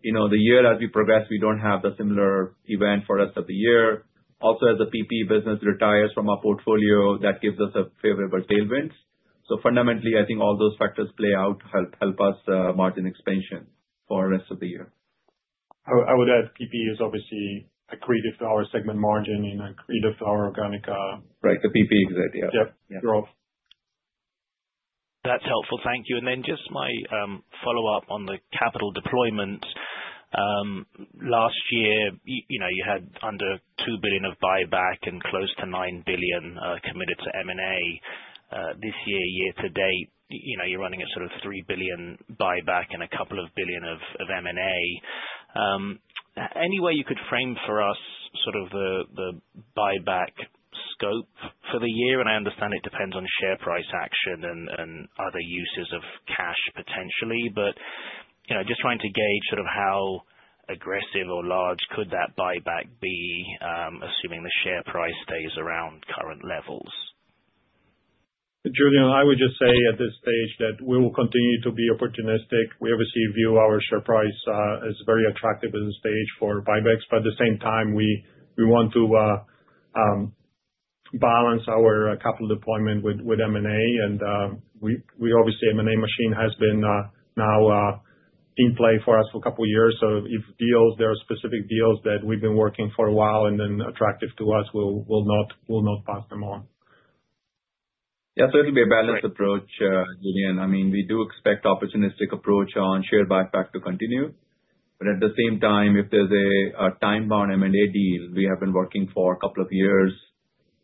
The year, as we progress, we do not have the similar event for the rest of the year. Also, as the PPE business retires from our portfolio, that gives us a favorable tailwind. Fundamentally, I think all those factors play out to help us margin expansion for the rest of the year. I would add PPE is obviously accretive dollar segment margin and accretive dollar organic. Right. The PPE exit. Yeah. Yep. Drop. That is helpful. Thank you. My follow-up on the capital deployment. Last year, you had under $2 billion of buyback and close to $9 billion committed to M&A. This year, year to date, you're running at sort of $3 billion buyback and a couple of billion of M&A. Any way you could frame for us sort of the buyback scope for the year? I understand it depends on share price action and other uses of cash potentially, but just trying to gauge sort of how aggressive or large could that buyback be, assuming the share price stays around current levels? Julian, I would just say at this stage that we will continue to be opportunistic. We obviously view our share price as very attractive at this stage for buybacks. At the same time, we want to balance our capital deployment with M&A. We obviously have an M&A machine that has been now in play for us for a couple of years. If deals, there are specific deals that we've been working for a while and then attractive to us, we'll not pass them on. Yeah. It'll be a balanced approach, Julian. I mean, we do expect an opportunistic approach on share buyback to continue. At the same time, if there's a time-bound M&A deal we have been working for a couple of years,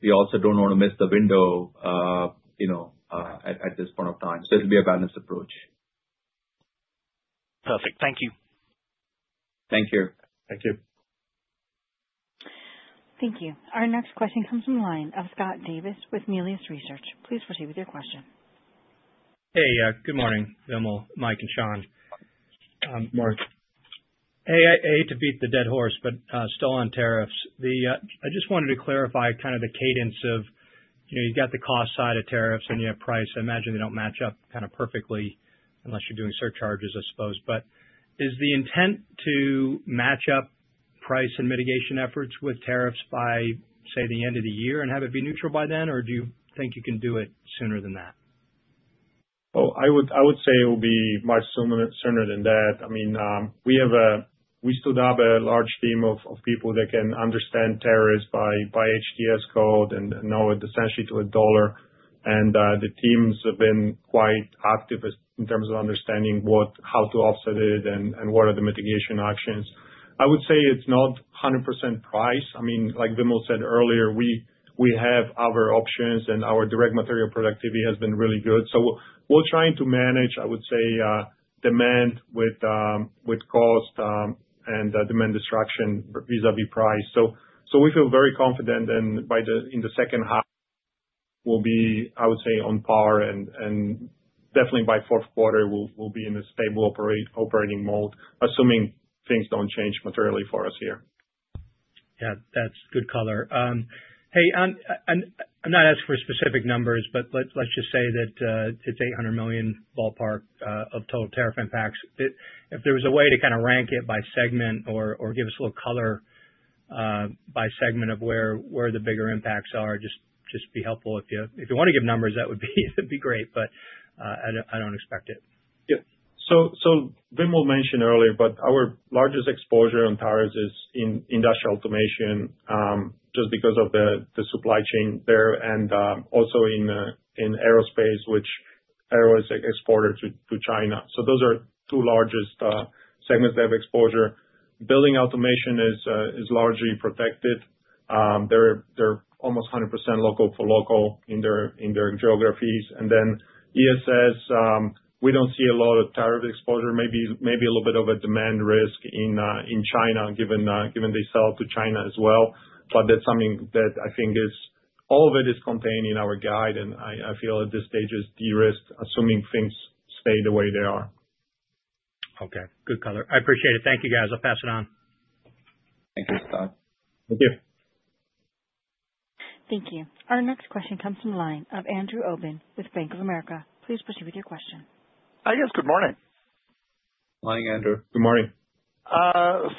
we also don't want to miss the window at this point of time. It'll be a balanced approach. Perfect. Thank you. Thank you. Thank you. Thank you. Our next question comes from the line of Scott Davis with Melius Research. Please proceed with your question. Hey. Good morning, Vimal, Mike, and Sean. Hey, I hate to beat the dead horse, but still on tariffs. I just wanted to clarify kind of the cadence of you've got the cost side of tariffs and you have price. I imagine they don't match up kind of perfectly unless you're doing surcharges, I suppose. Is the intent to match up price and mitigation efforts with tariffs by, say, the end of the year and have it be neutral by then? Do you think you can do it sooner than that? I would say it will be much sooner than that. I mean, we stood up a large team of people that can understand tariffs by HTS code and know it essentially to a dollar. The teams have been quite active in terms of understanding how to offset it and what are the mitigation actions. I would say it's not 100% price. I mean, like Vimal said earlier, we have other options, and our direct material productivity has been really good. We are trying to manage, I would say, demand with cost and demand destruction vis-à-vis price. We feel very confident that in the second half, we will be, I would say, on par. Definitely by fourth quarter, we will be in a stable operating mode, assuming things do not change materially for us here. Yeah. That is good color. Hey, I am not asking for specific numbers, but let us just say that it is $800 million ballpark of total tariff impacts. If there was a way to kind of rank it by segment or give us a little color by segment of where the bigger impacts are, just be helpful. If you want to give numbers, that would be great, but I do not expect it. Yeah. Wilmell mentioned earlier, but our largest exposure on tariffs is in Industrial Automation just because of the supply chain there and also in aerospace, which aero is exported to China. Those are two largest segments that have exposure. Building Automation is largely protected. They are almost 100% local for local in their geographies. ESS, we do not see a lot of tariff exposure. Maybe a little bit of a demand risk in China, given they sell to China as well. That is something that I think all of it is contained in our guide. I feel at this stage it is de-risked, assuming things stay the way they are. Okay. Good color. I appreciate it. Thank you, guys. I will pass it on. Thank you, Scott. Thank you. Thank you. Our next question comes from the line of Andrew Obin with Bank of America. Please proceed with your question. Hi, guys. Good morning. Morning, Andrew. Good morning.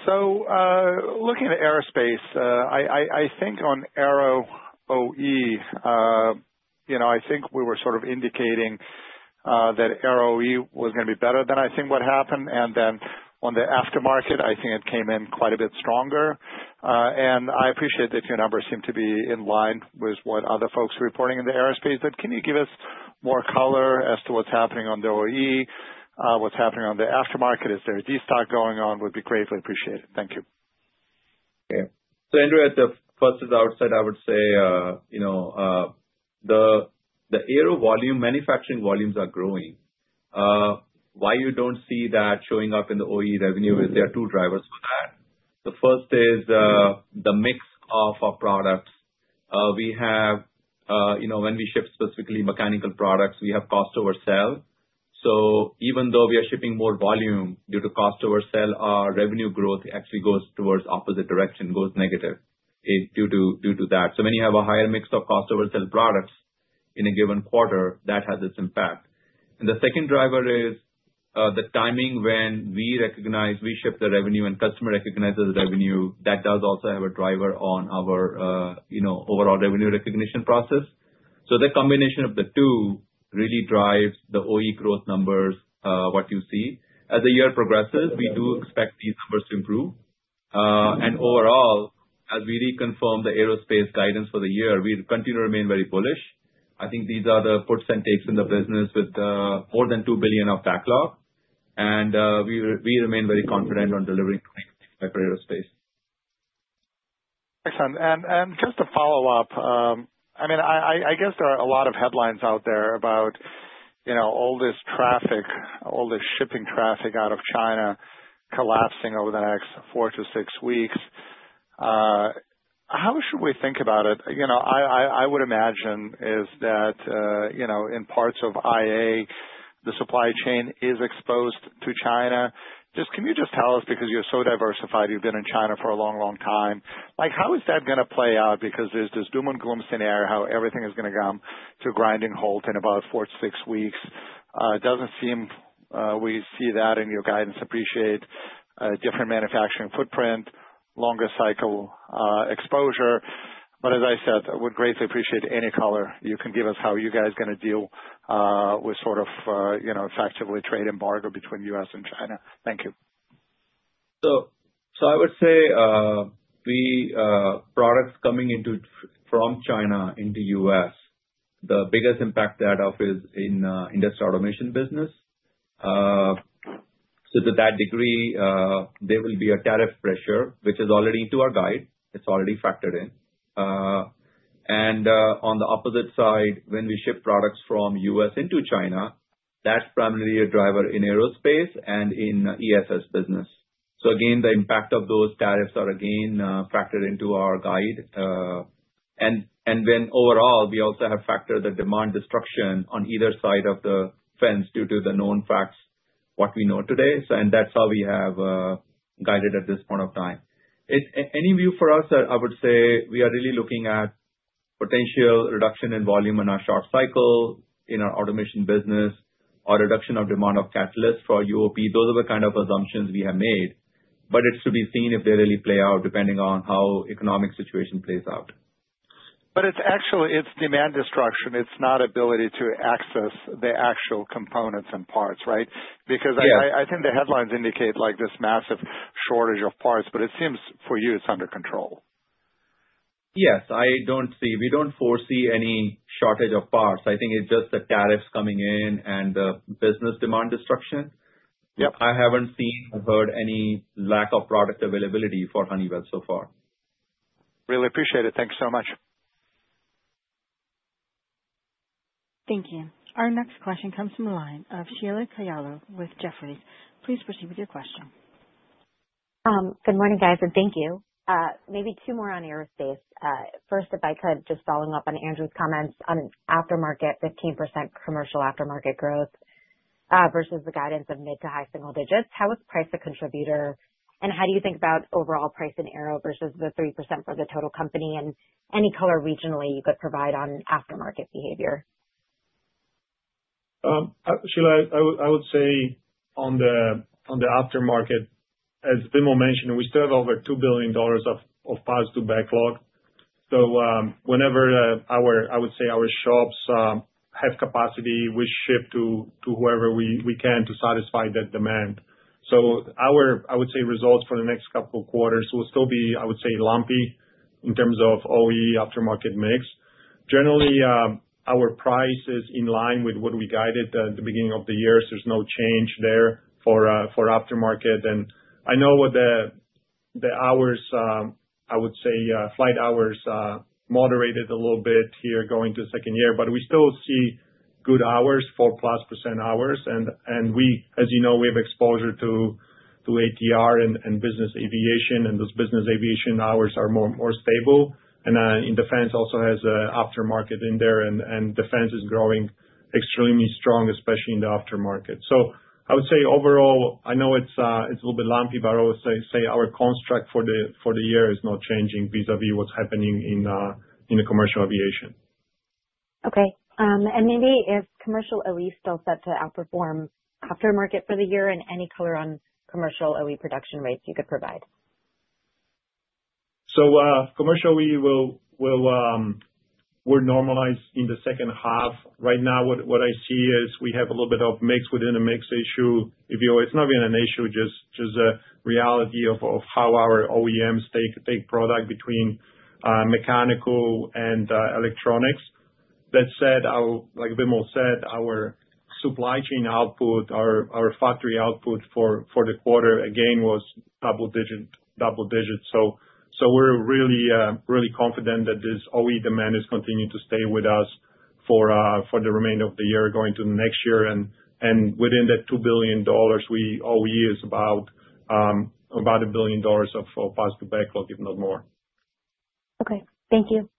Looking at Aerospace, I think on Aero OE, I think we were sort of indicating that Aero OE was going to be better than I think what happened. On the aftermarket, I think it came in quite a bit stronger. I appreciate that your numbers seem to be in line with what other folks are reporting in the Aerospace. Can you give us more color as to what's happening on the OE, what's happening on the aftermarket? Is there a de-stock going on? Would be greatly appreciated. Thank you. Okay. Andrew, at the first and the outset, I would say the Aero volume, manufacturing volumes are growing. Why you do not see that showing up in the OE revenue is there are two drivers for that. The first is the mix of our products. We have, when we ship specifically mechanical products, we have cost over sale. Even though we are shipping more volume due to cost over sale, our revenue growth actually goes towards the opposite direction, goes negative due to that. When you have a higher mix of cost over sale products in a given quarter, that has its impact. The second driver is the timing when we recognize we ship the revenue and customer recognizes the revenue. That does also have a driver on our overall revenue recognition process. The combination of the two really drives the OE growth numbers, what you see. As the year progresses, we do expect these numbers to improve. Overall, as we reconfirm the Aerospace guidance for the year, we continue to remain very bullish. I think these are the quotes and takes in the business with more than $2 billion of backlog. We remain very confident on delivering 2025 for Aerospace. Excellent. Just to follow up, I mean, I guess there are a lot of headlines out there about all this traffic, all this shipping traffic out of China collapsing over the next four to six weeks. How should we think about it? I would imagine is that in parts of IA, the supply chain is exposed to China. Just can you just tell us, because you're so diversified, you've been in China for a long, long time, how is that going to play out? Because there's this doom and gloom scenario, how everything is going to come to a grinding halt in about four to six weeks. It doesn't seem we see that in your guidance. Appreciate different manufacturing footprint, longer cycle exposure. As I said, I would greatly appreciate any color you can give us how you guys are going to deal with sort of effectively trade embargo between the U.S. and China. Thank you. I would say products coming from China into the U.S., the biggest impact that offers is in the Industrial Automation business. To that degree, there will be a tariff pressure, which is already into our guide. It's already factored in. On the opposite side, when we ship products from the U.S. into China, that's primarily a driver in Aerospace and in ESS business. The impact of those tariffs is again factored into our guide. Overall, we also have factored the demand destruction on either side of the fence due to the known facts, what we know today. That is how we have guided at this point of time. Any view for us? I would say we are really looking at potential reduction in volume in our short cycle in our automation business or reduction of demand of catalysts for UOP. Those are the kind of assumptions we have made. It is to be seen if they really play out depending on how the economic situation plays out. It is demand destruction. It is not ability to access the actual components and parts, right? I think the headlines indicate this massive shortage of parts, but it seems for you it is under control. Yes. I do not see. We do not foresee any shortage of parts. I think it is just the tariffs coming in and the business demand destruction. I have not seen or heard any lack of product availability for Honeywell so far. Really appreciate it. Thank you so much. Thank you. Our next question comes from the line of Sheila Kahyaoglu with Jefferies. Please proceed with your question. Good morning, guys, and thank you. Maybe two more on Aerospace. First, if I could, just following up on Andrew's comments on aftermarket, 15% commercial aftermarket growth versus the guidance of mid to high single digits. How is price a contributor? How do you think about overall price in Aero versus the 3% for the total company? Any color regionally you could provide on aftermarket behavior? Sheila, I would say on the aftermarket, as Vimal mentioned, we still have over $2 billion of parts to backlog. Whenever our shops have capacity, we ship to whoever we can to satisfy that demand. Our, I would say, results for the next couple of quarters will still be, I would say, lumpy in terms of OE aftermarket mix. Generally, our price is in line with what we guided at the beginning of the year. There is no change there for aftermarket. I know the hours, I would say, flight hours moderated a little bit here going to second year, but we still see good hours, 4+% hours. As you know, we have exposure to ATR and business aviation, and those business aviation hours are more stable. Defense also has aftermarket in there, and defense is growing extremely strong, especially in the aftermarket. I would say overall, I know it is a little bit lumpy, but I would say our construct for the year is not changing vis-à-vis what is happening in the commercial aviation. Okay. Maybe if commercial OE is still set to outperform aftermarket for the year, any color on commercial OE production rates you could provide? Commercial OE will normalize in the second half. Right now, what I see is we have a little bit of mix within the mix issue. It's not even an issue, just a reality of how our OEMs take product between mechanical and electronics. That said, like Vimal said, our supply chain output, our factory output for the quarter, again, was double digits. We're really confident that this OE demand is continuing to stay with us for the remainder of the year going to next year. Within that $2 billion, OE is about $1 billion of past due backlog, if not more. Okay. Thank you.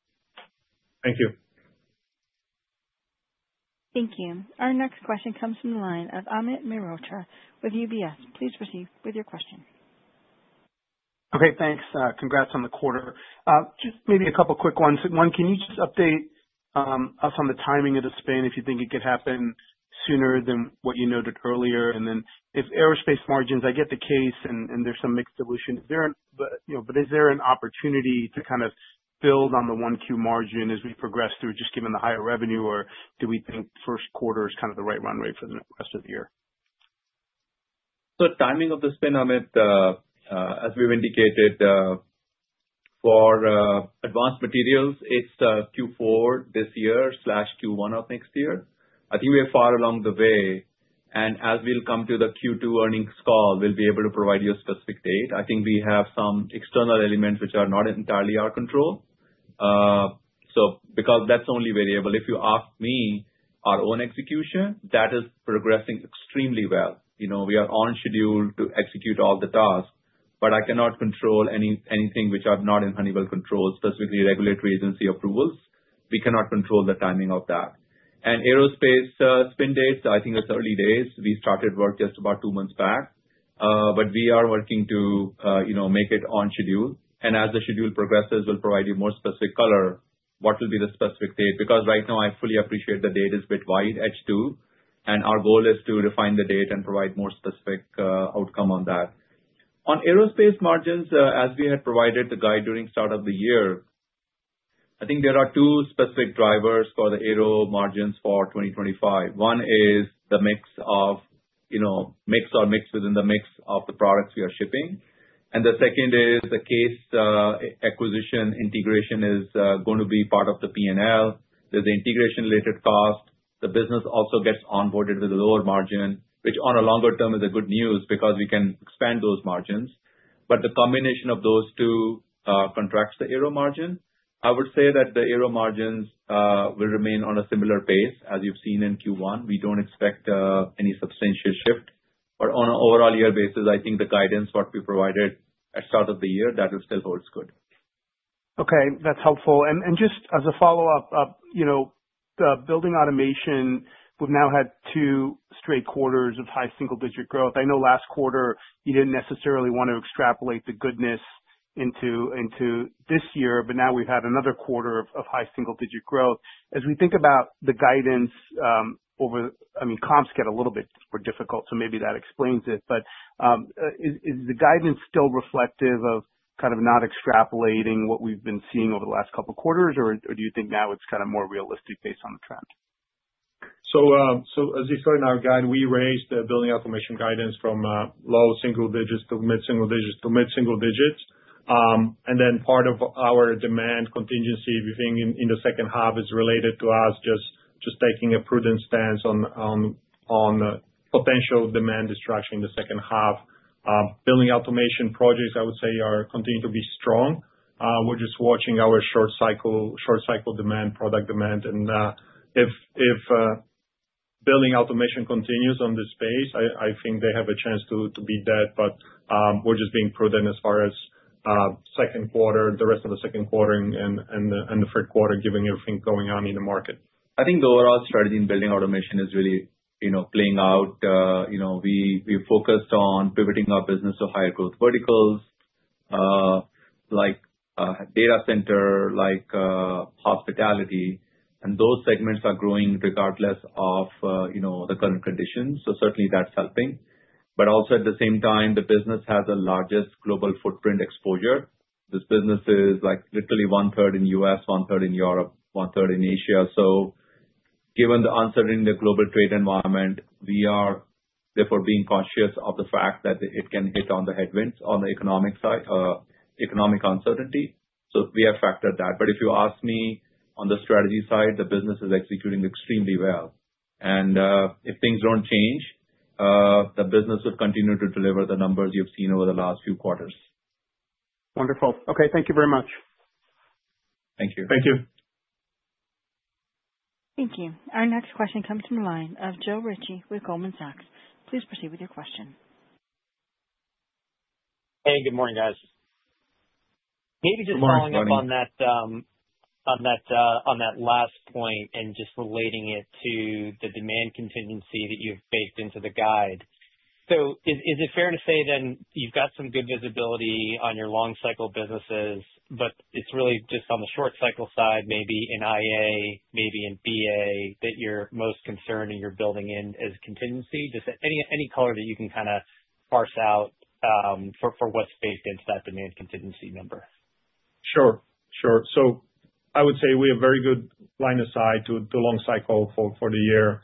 Thank you. Thank you. Our next question comes from the line of Amit Mehrotra with UBS. Please proceed with your question. Okay. Thanks. Congrats on the quarter. Just maybe a couple of quick ones. One, can you just update us on the timing of the spin if you think it could happen sooner than what you noted earlier? And then if Aerospace margins, I get the case, and there's some mixed solutions. But is there an opportunity to kind of build on the one Q margin as we progress through, just given the higher revenue, or do we think first quarter is kind of the right run rate for the rest of the year? So timing of the spin, Ahmet, as we've indicated, for Advanced Materials, it's Q4 this year/Q1 of next year. I think we are far along the way. As we'll come to the Q2 earnings call, we'll be able to provide you a specific date. I think we have some external elements which are not entirely our control. Because that's only variable. If you ask me, our own execution, that is progressing extremely well. We are on schedule to execute all the tasks, but I cannot control anything which are not in Honeywell control, specifically regulatory agency approvals. We cannot control the timing of that. Aerospace spin dates, I think it's early days. We started work just about two months back, but we are working to make it on schedule. As the schedule progresses, we'll provide you more specific color. What will be the specific date? Because right now, I fully appreciate the date is a bit wide, H2. Our goal is to refine the date and provide more specific outcome on that. On Aerospace margins, as we had provided the guide during start of the year, I think there are two specific drivers for the Aero margins for 2025. One is the mix of mix or mix within the mix of the products we are shipping. The second is the CAES acquisition integration is going to be part of the P&L. There is the integration-related cost. The business also gets onboarded with a lower margin, which on a longer term is good news because we can expand those margins. The combination of those two contracts the aero margin. I would say that the Aero margins will remain on a similar pace as you've seen in Q1. We do not expect any substantial shift. On an overall year basis, I think the guidance, what we provided at the start of the year, that will still hold good. Okay. That's helpful. Just as a follow-up, Building Automation, we've now had two straight quarters of high single-digit growth. I know last quarter, you didn't necessarily want to extrapolate the goodness into this year, but now we've had another quarter of high single-digit growth. As we think about the guidance over, I mean, comps get a little bit more difficult, so maybe that explains it. Is the guidance still reflective of kind of not extrapolating what we've been seeing over the last couple of quarters, or do you think now it's kind of more realistic based on the trend? As you saw in our guide, we raised the Building Automation guidance from low single digits to mid single digits to mid single digits. Part of our demand contingency, we think in the second half is related to us just taking a prudent stance on potential demand destruction in the second half. Building Automation projects, I would say, continue to be strong. We're just watching our short cycle demand, product demand. If Building Automation continues on this pace, I think they have a chance to beat that. We're just being prudent as far as the rest of the second quarter and the third quarter, given everything going on in the market. I think the overall strategy in Building Automation is really playing out. We focused on pivoting our business to higher growth verticals like data center, like hospitality. Those segments are growing regardless of the current conditions. Certainly, that's helping. At the same time, the business has the largest global footprint exposure. This business is literally one-third in the U.S., one-third in Europe, one-third in Asia. Given the uncertainty in the global trade environment, we are therefore being cautious of the fact that it can hit on the headwinds on the economic side, economic uncertainty. We have factored that. If you ask me on the strategy side, the business is executing extremely well. If things do not change, the business will continue to deliver the numbers you have seen over the last few quarters. Wonderful. Okay. Thank you very much. Thank you. Thank you. Thank you. Our next question comes from the line of Joe Ritchie with Goldman Sachs. Please proceed with your question. Hey, good morning, guys. Hey, just following up on that last point and just relating it to the demand contingency that you have baked into the guide. Is it fair to say then you've got some good visibility on your long-cycle businesses, but it's really just on the short-cycle side, maybe in IA, maybe in BA, that you're most concerned and you're building in as contingency? Just any color that you can kind of parse out for what's baked into that demand contingency number. Sure. Sure. I would say we have a very good line of sight to the long cycle for the year.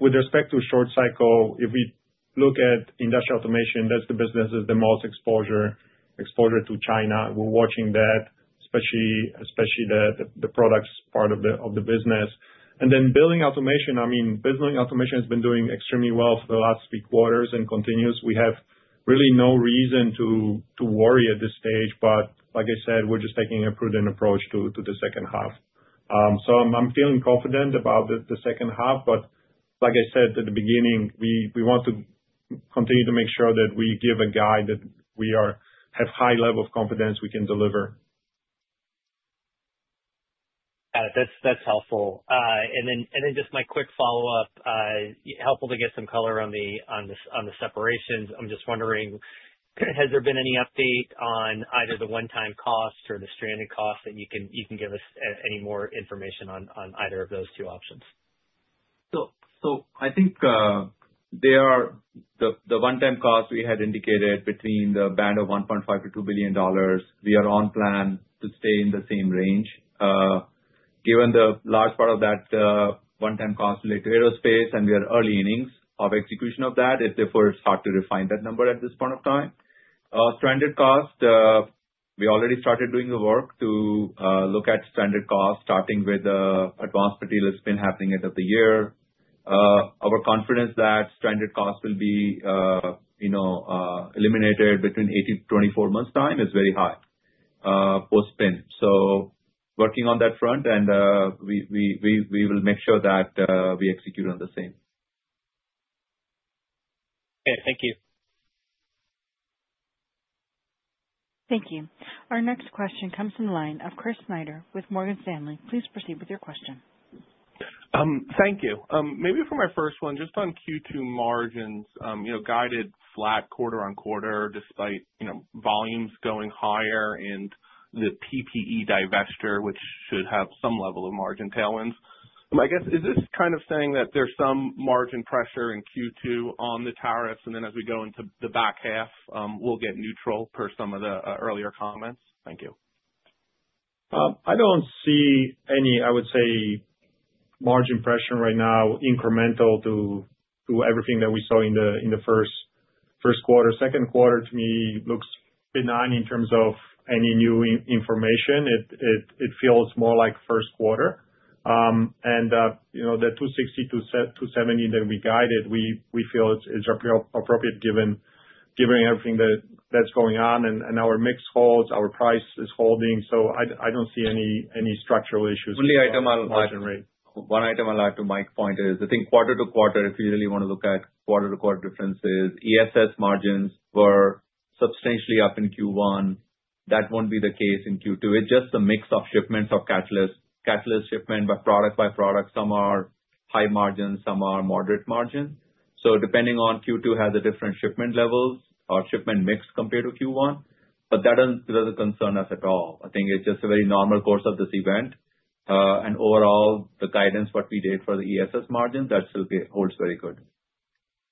With respect to short cycle, if we look at Industrial Automation, that's the business that has the most exposure to China. We're watching that, especially the products part of the business. And then Building Automation, I mean, Building Automation has been doing extremely well for the last three quarters and continues. We have really no reason to worry at this stage. Like I said, we're just taking a prudent approach to the second half. I'm feeling confident about the second half. Like I said at the beginning, we want to continue to make sure that we give a guide that we have a high level of confidence we can deliver. That's helpful. My quick follow-up, helpful to get some color on the separations. I'm just wondering, has there been any update on either the one-time cost or the stranded cost that you can give us any more information on either of those two options? I think the one-time cost we had indicated between the band of $1.5 billion-$2 billion, we are on plan to stay in the same range. Given the large part of that one-time cost related to Aerospace and we are early innings of execution of that, it's therefore hard to refine that number at this point of time. Stranded cost, we already started doing the work to look at stranded cost, starting with advanced material spin happening at the end of the year. Our confidence that stranded cost will be eliminated between 8-24 months' time is very high post-spin. So working on that front, and we will make sure that we execute on the same. Okay. Thank you. Thank you. Our next question comes from the line of Chris Snyder with Morgan Stanley. Please proceed with your question. Thank you. Maybe for my first one, just on Q2 margins, guided flat quarter on quarter despite volumes going higher and the PPE divestiture, which should have some level of margin tailwinds. My guess is this kind of saying that there's some margin pressure in Q2 on the tariffs, and then as we go into the back half, we'll get neutral per some of the earlier comments? Thank you. I don't see any, I would say, margin pressure right now incremental to everything that we saw in the first quarter. Second quarter, to me, looks benign in terms of any new information. It feels more like first quarter. And the 260-270 that we guided, we feel it's appropriate given everything that's going on and our mix holds, our price is holding. I don't see any structural issues. Only item I'll add to Mike's point is, I think quarter to quarter, if you really want to look at quarter to quarter differences, ESS margins were substantially up in Q1. That won't be the case in Q2. It's just the mix of shipments of catalysts, catalyst shipment by product by product. Some are high margins, some are moderate margins. Depending on Q2, it has different shipment levels or shipment mix compared to Q1. That does not concern us at all. I think it's just a very normal course of this event. Overall, the guidance, what we did for the ESS margins, that still holds very good.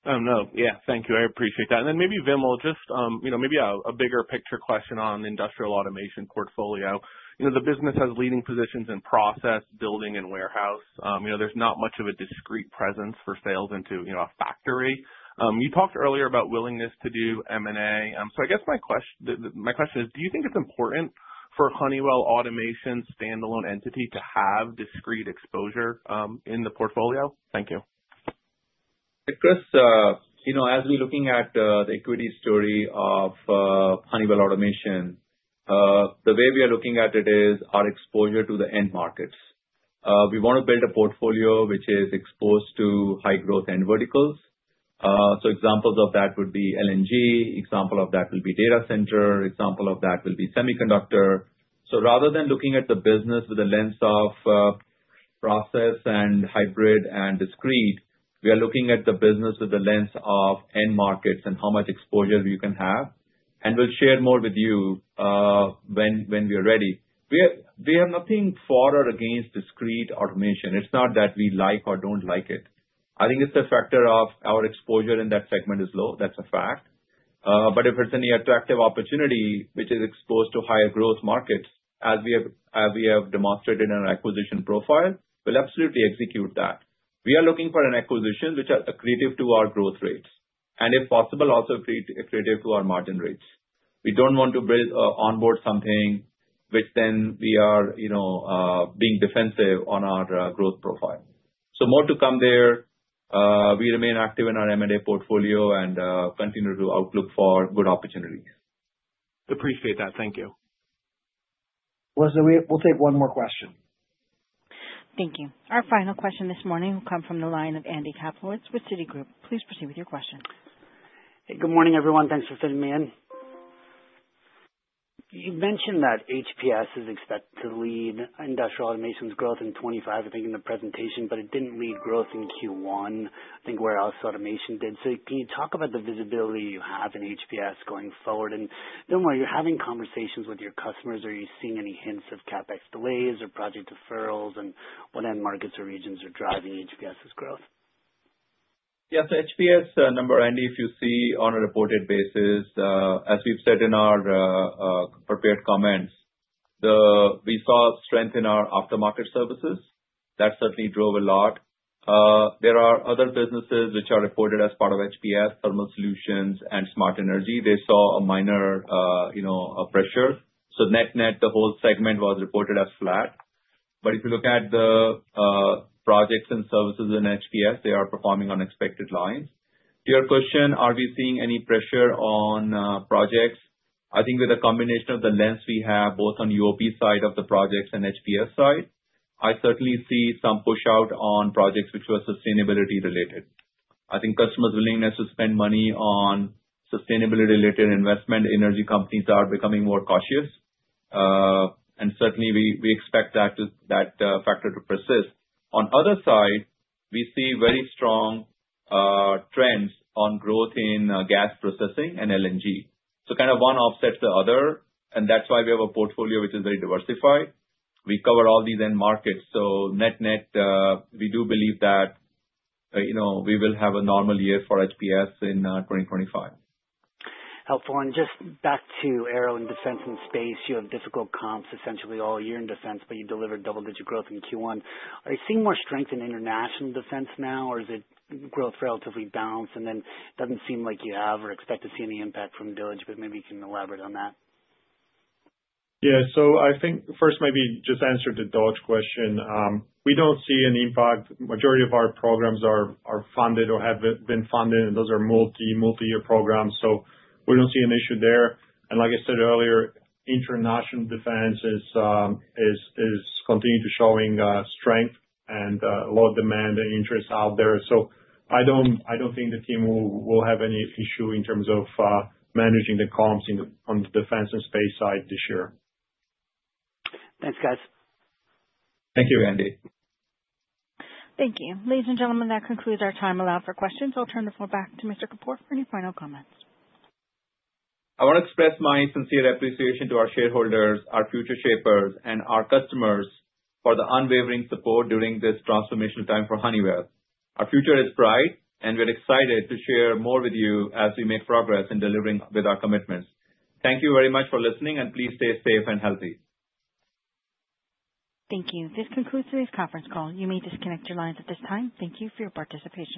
No. Yeah. Thank you. I appreciate that. Maybe, Vimal, just maybe a bigger picture question on Industrial Automation portfolio. The business has leading positions in process, building, and warehouse. There's not much of a discrete presence for sales into a factory. You talked earlier about willingness to do M&A. I guess my question is, do you think it's important for Honeywell Automation's standalone entity to have discrete exposure in the portfolio? Thank you. Because as we're looking at the equity story of Honeywell Automation, the way we are looking at it is our exposure to the end markets. We want to build a portfolio which is exposed to high-growth end verticals. Examples of that would be LNG. Example of that will be data center. Example of that will be semiconductor. Rather than looking at the business with a lens of process and hybrid and discreet, we are looking at the business with the lens of end markets and how much exposure we can have. We will share more with you when we are ready. We have nothing for or against discreet automation. It's not that we like or don't like it. I think it's a factor of our exposure in that segment is low. That's a fact. If it's any attractive opportunity, which is exposed to higher growth markets, as we have demonstrated in our acquisition profile, we'll absolutely execute that. We are looking for an acquisition which is accretive to our growth rates. If possible, also accretive to our margin rates. We don't want to onboard something which then we are being defensive on our growth profile. More to come there. We remain active in our M&A portfolio and continue to outlook for good opportunities. Appreciate that. Thank you. We'll take one more question. Thank you. Our final question this morning will come from the line of Andy Kaplowitz with Citigroup. Please proceed with your question. Hey, good morning, everyone. Thanks for fitting me in. You mentioned that HPS is expected to lead Industrial Automation's growth in 2025, I think, in the presentation, but it didn't lead growth in Q1. I think warehouse automation did. Can you talk about the visibility you have in HPS going forward? Wilmell, are you having conversations with your customers? Are you seeing any hints of CapEx delays or project deferrals and what end markets or regions are driving HPS's growth? Yes. HPS number, Andy, if you see on a reported basis, as we've said in our prepared comments, we saw strength in our aftermarket services. That certainly drove a lot. There are other businesses which are reported as part of HPS, Thermal Solutions, and Smart Energy. They saw a minor pressure. Net-net, the whole segment was reported as flat. If you look at the projects and services in HPS, they are performing on expected lines. To your question, are we seeing any pressure on projects? I think with a combination of the lens we have, both on UOP side of the projects and HPS side, I certainly see some push-out on projects which were sustainability-related. I think customers' willingness to spend money on sustainability-related investment, energy companies are becoming more cautious. I certainly expect that factor to persist. On the other side, we see very strong trends on growth in gas processing and LNG. One offsets the other. That is why we have a portfolio which is very diversified. We cover all these end markets. Net-net, we do believe that we will have a normal year for HPS in 2025. Helpful. Just back to Aero and Defense and Space, you have difficult comps essentially all year in defense, but you delivered double-digit growth in Q1. Are you seeing more strength in international defense now, or is it growth relatively balanced? It doesn't seem like you have or expect to see any impact from DOGE, but maybe you can elaborate on that. Yeah. I think first, maybe just answer the DOGE question. We don't see an impact. The majority of our programs are funded or have been funded, and those are multi-year programs. We don't see an issue there. Like I said earlier, international defense is continuing to show strength and a lot of demand and interest out there. I don't think the team will have any issue in terms of managing the comps on the Defense and Space side this year. Thanks, guys. Thank you, Andy. Thank you. Ladies and gentlemen, that concludes our time allowed for questions. I'll turn the floor back to Mr. Kapur for any final comments. I want to express my sincere appreciation to our shareholders, our Futureshapers, and our customers for the unwavering support during this transformational time for Honeywell. Our future is bright, and we're excited to share more with you as we make progress in delivering with our commitments. Thank you very much for listening, and please stay safe and healthy. Thank you. This concludes today's conference call. You may disconnect your lines at this time. Thank you for your participation.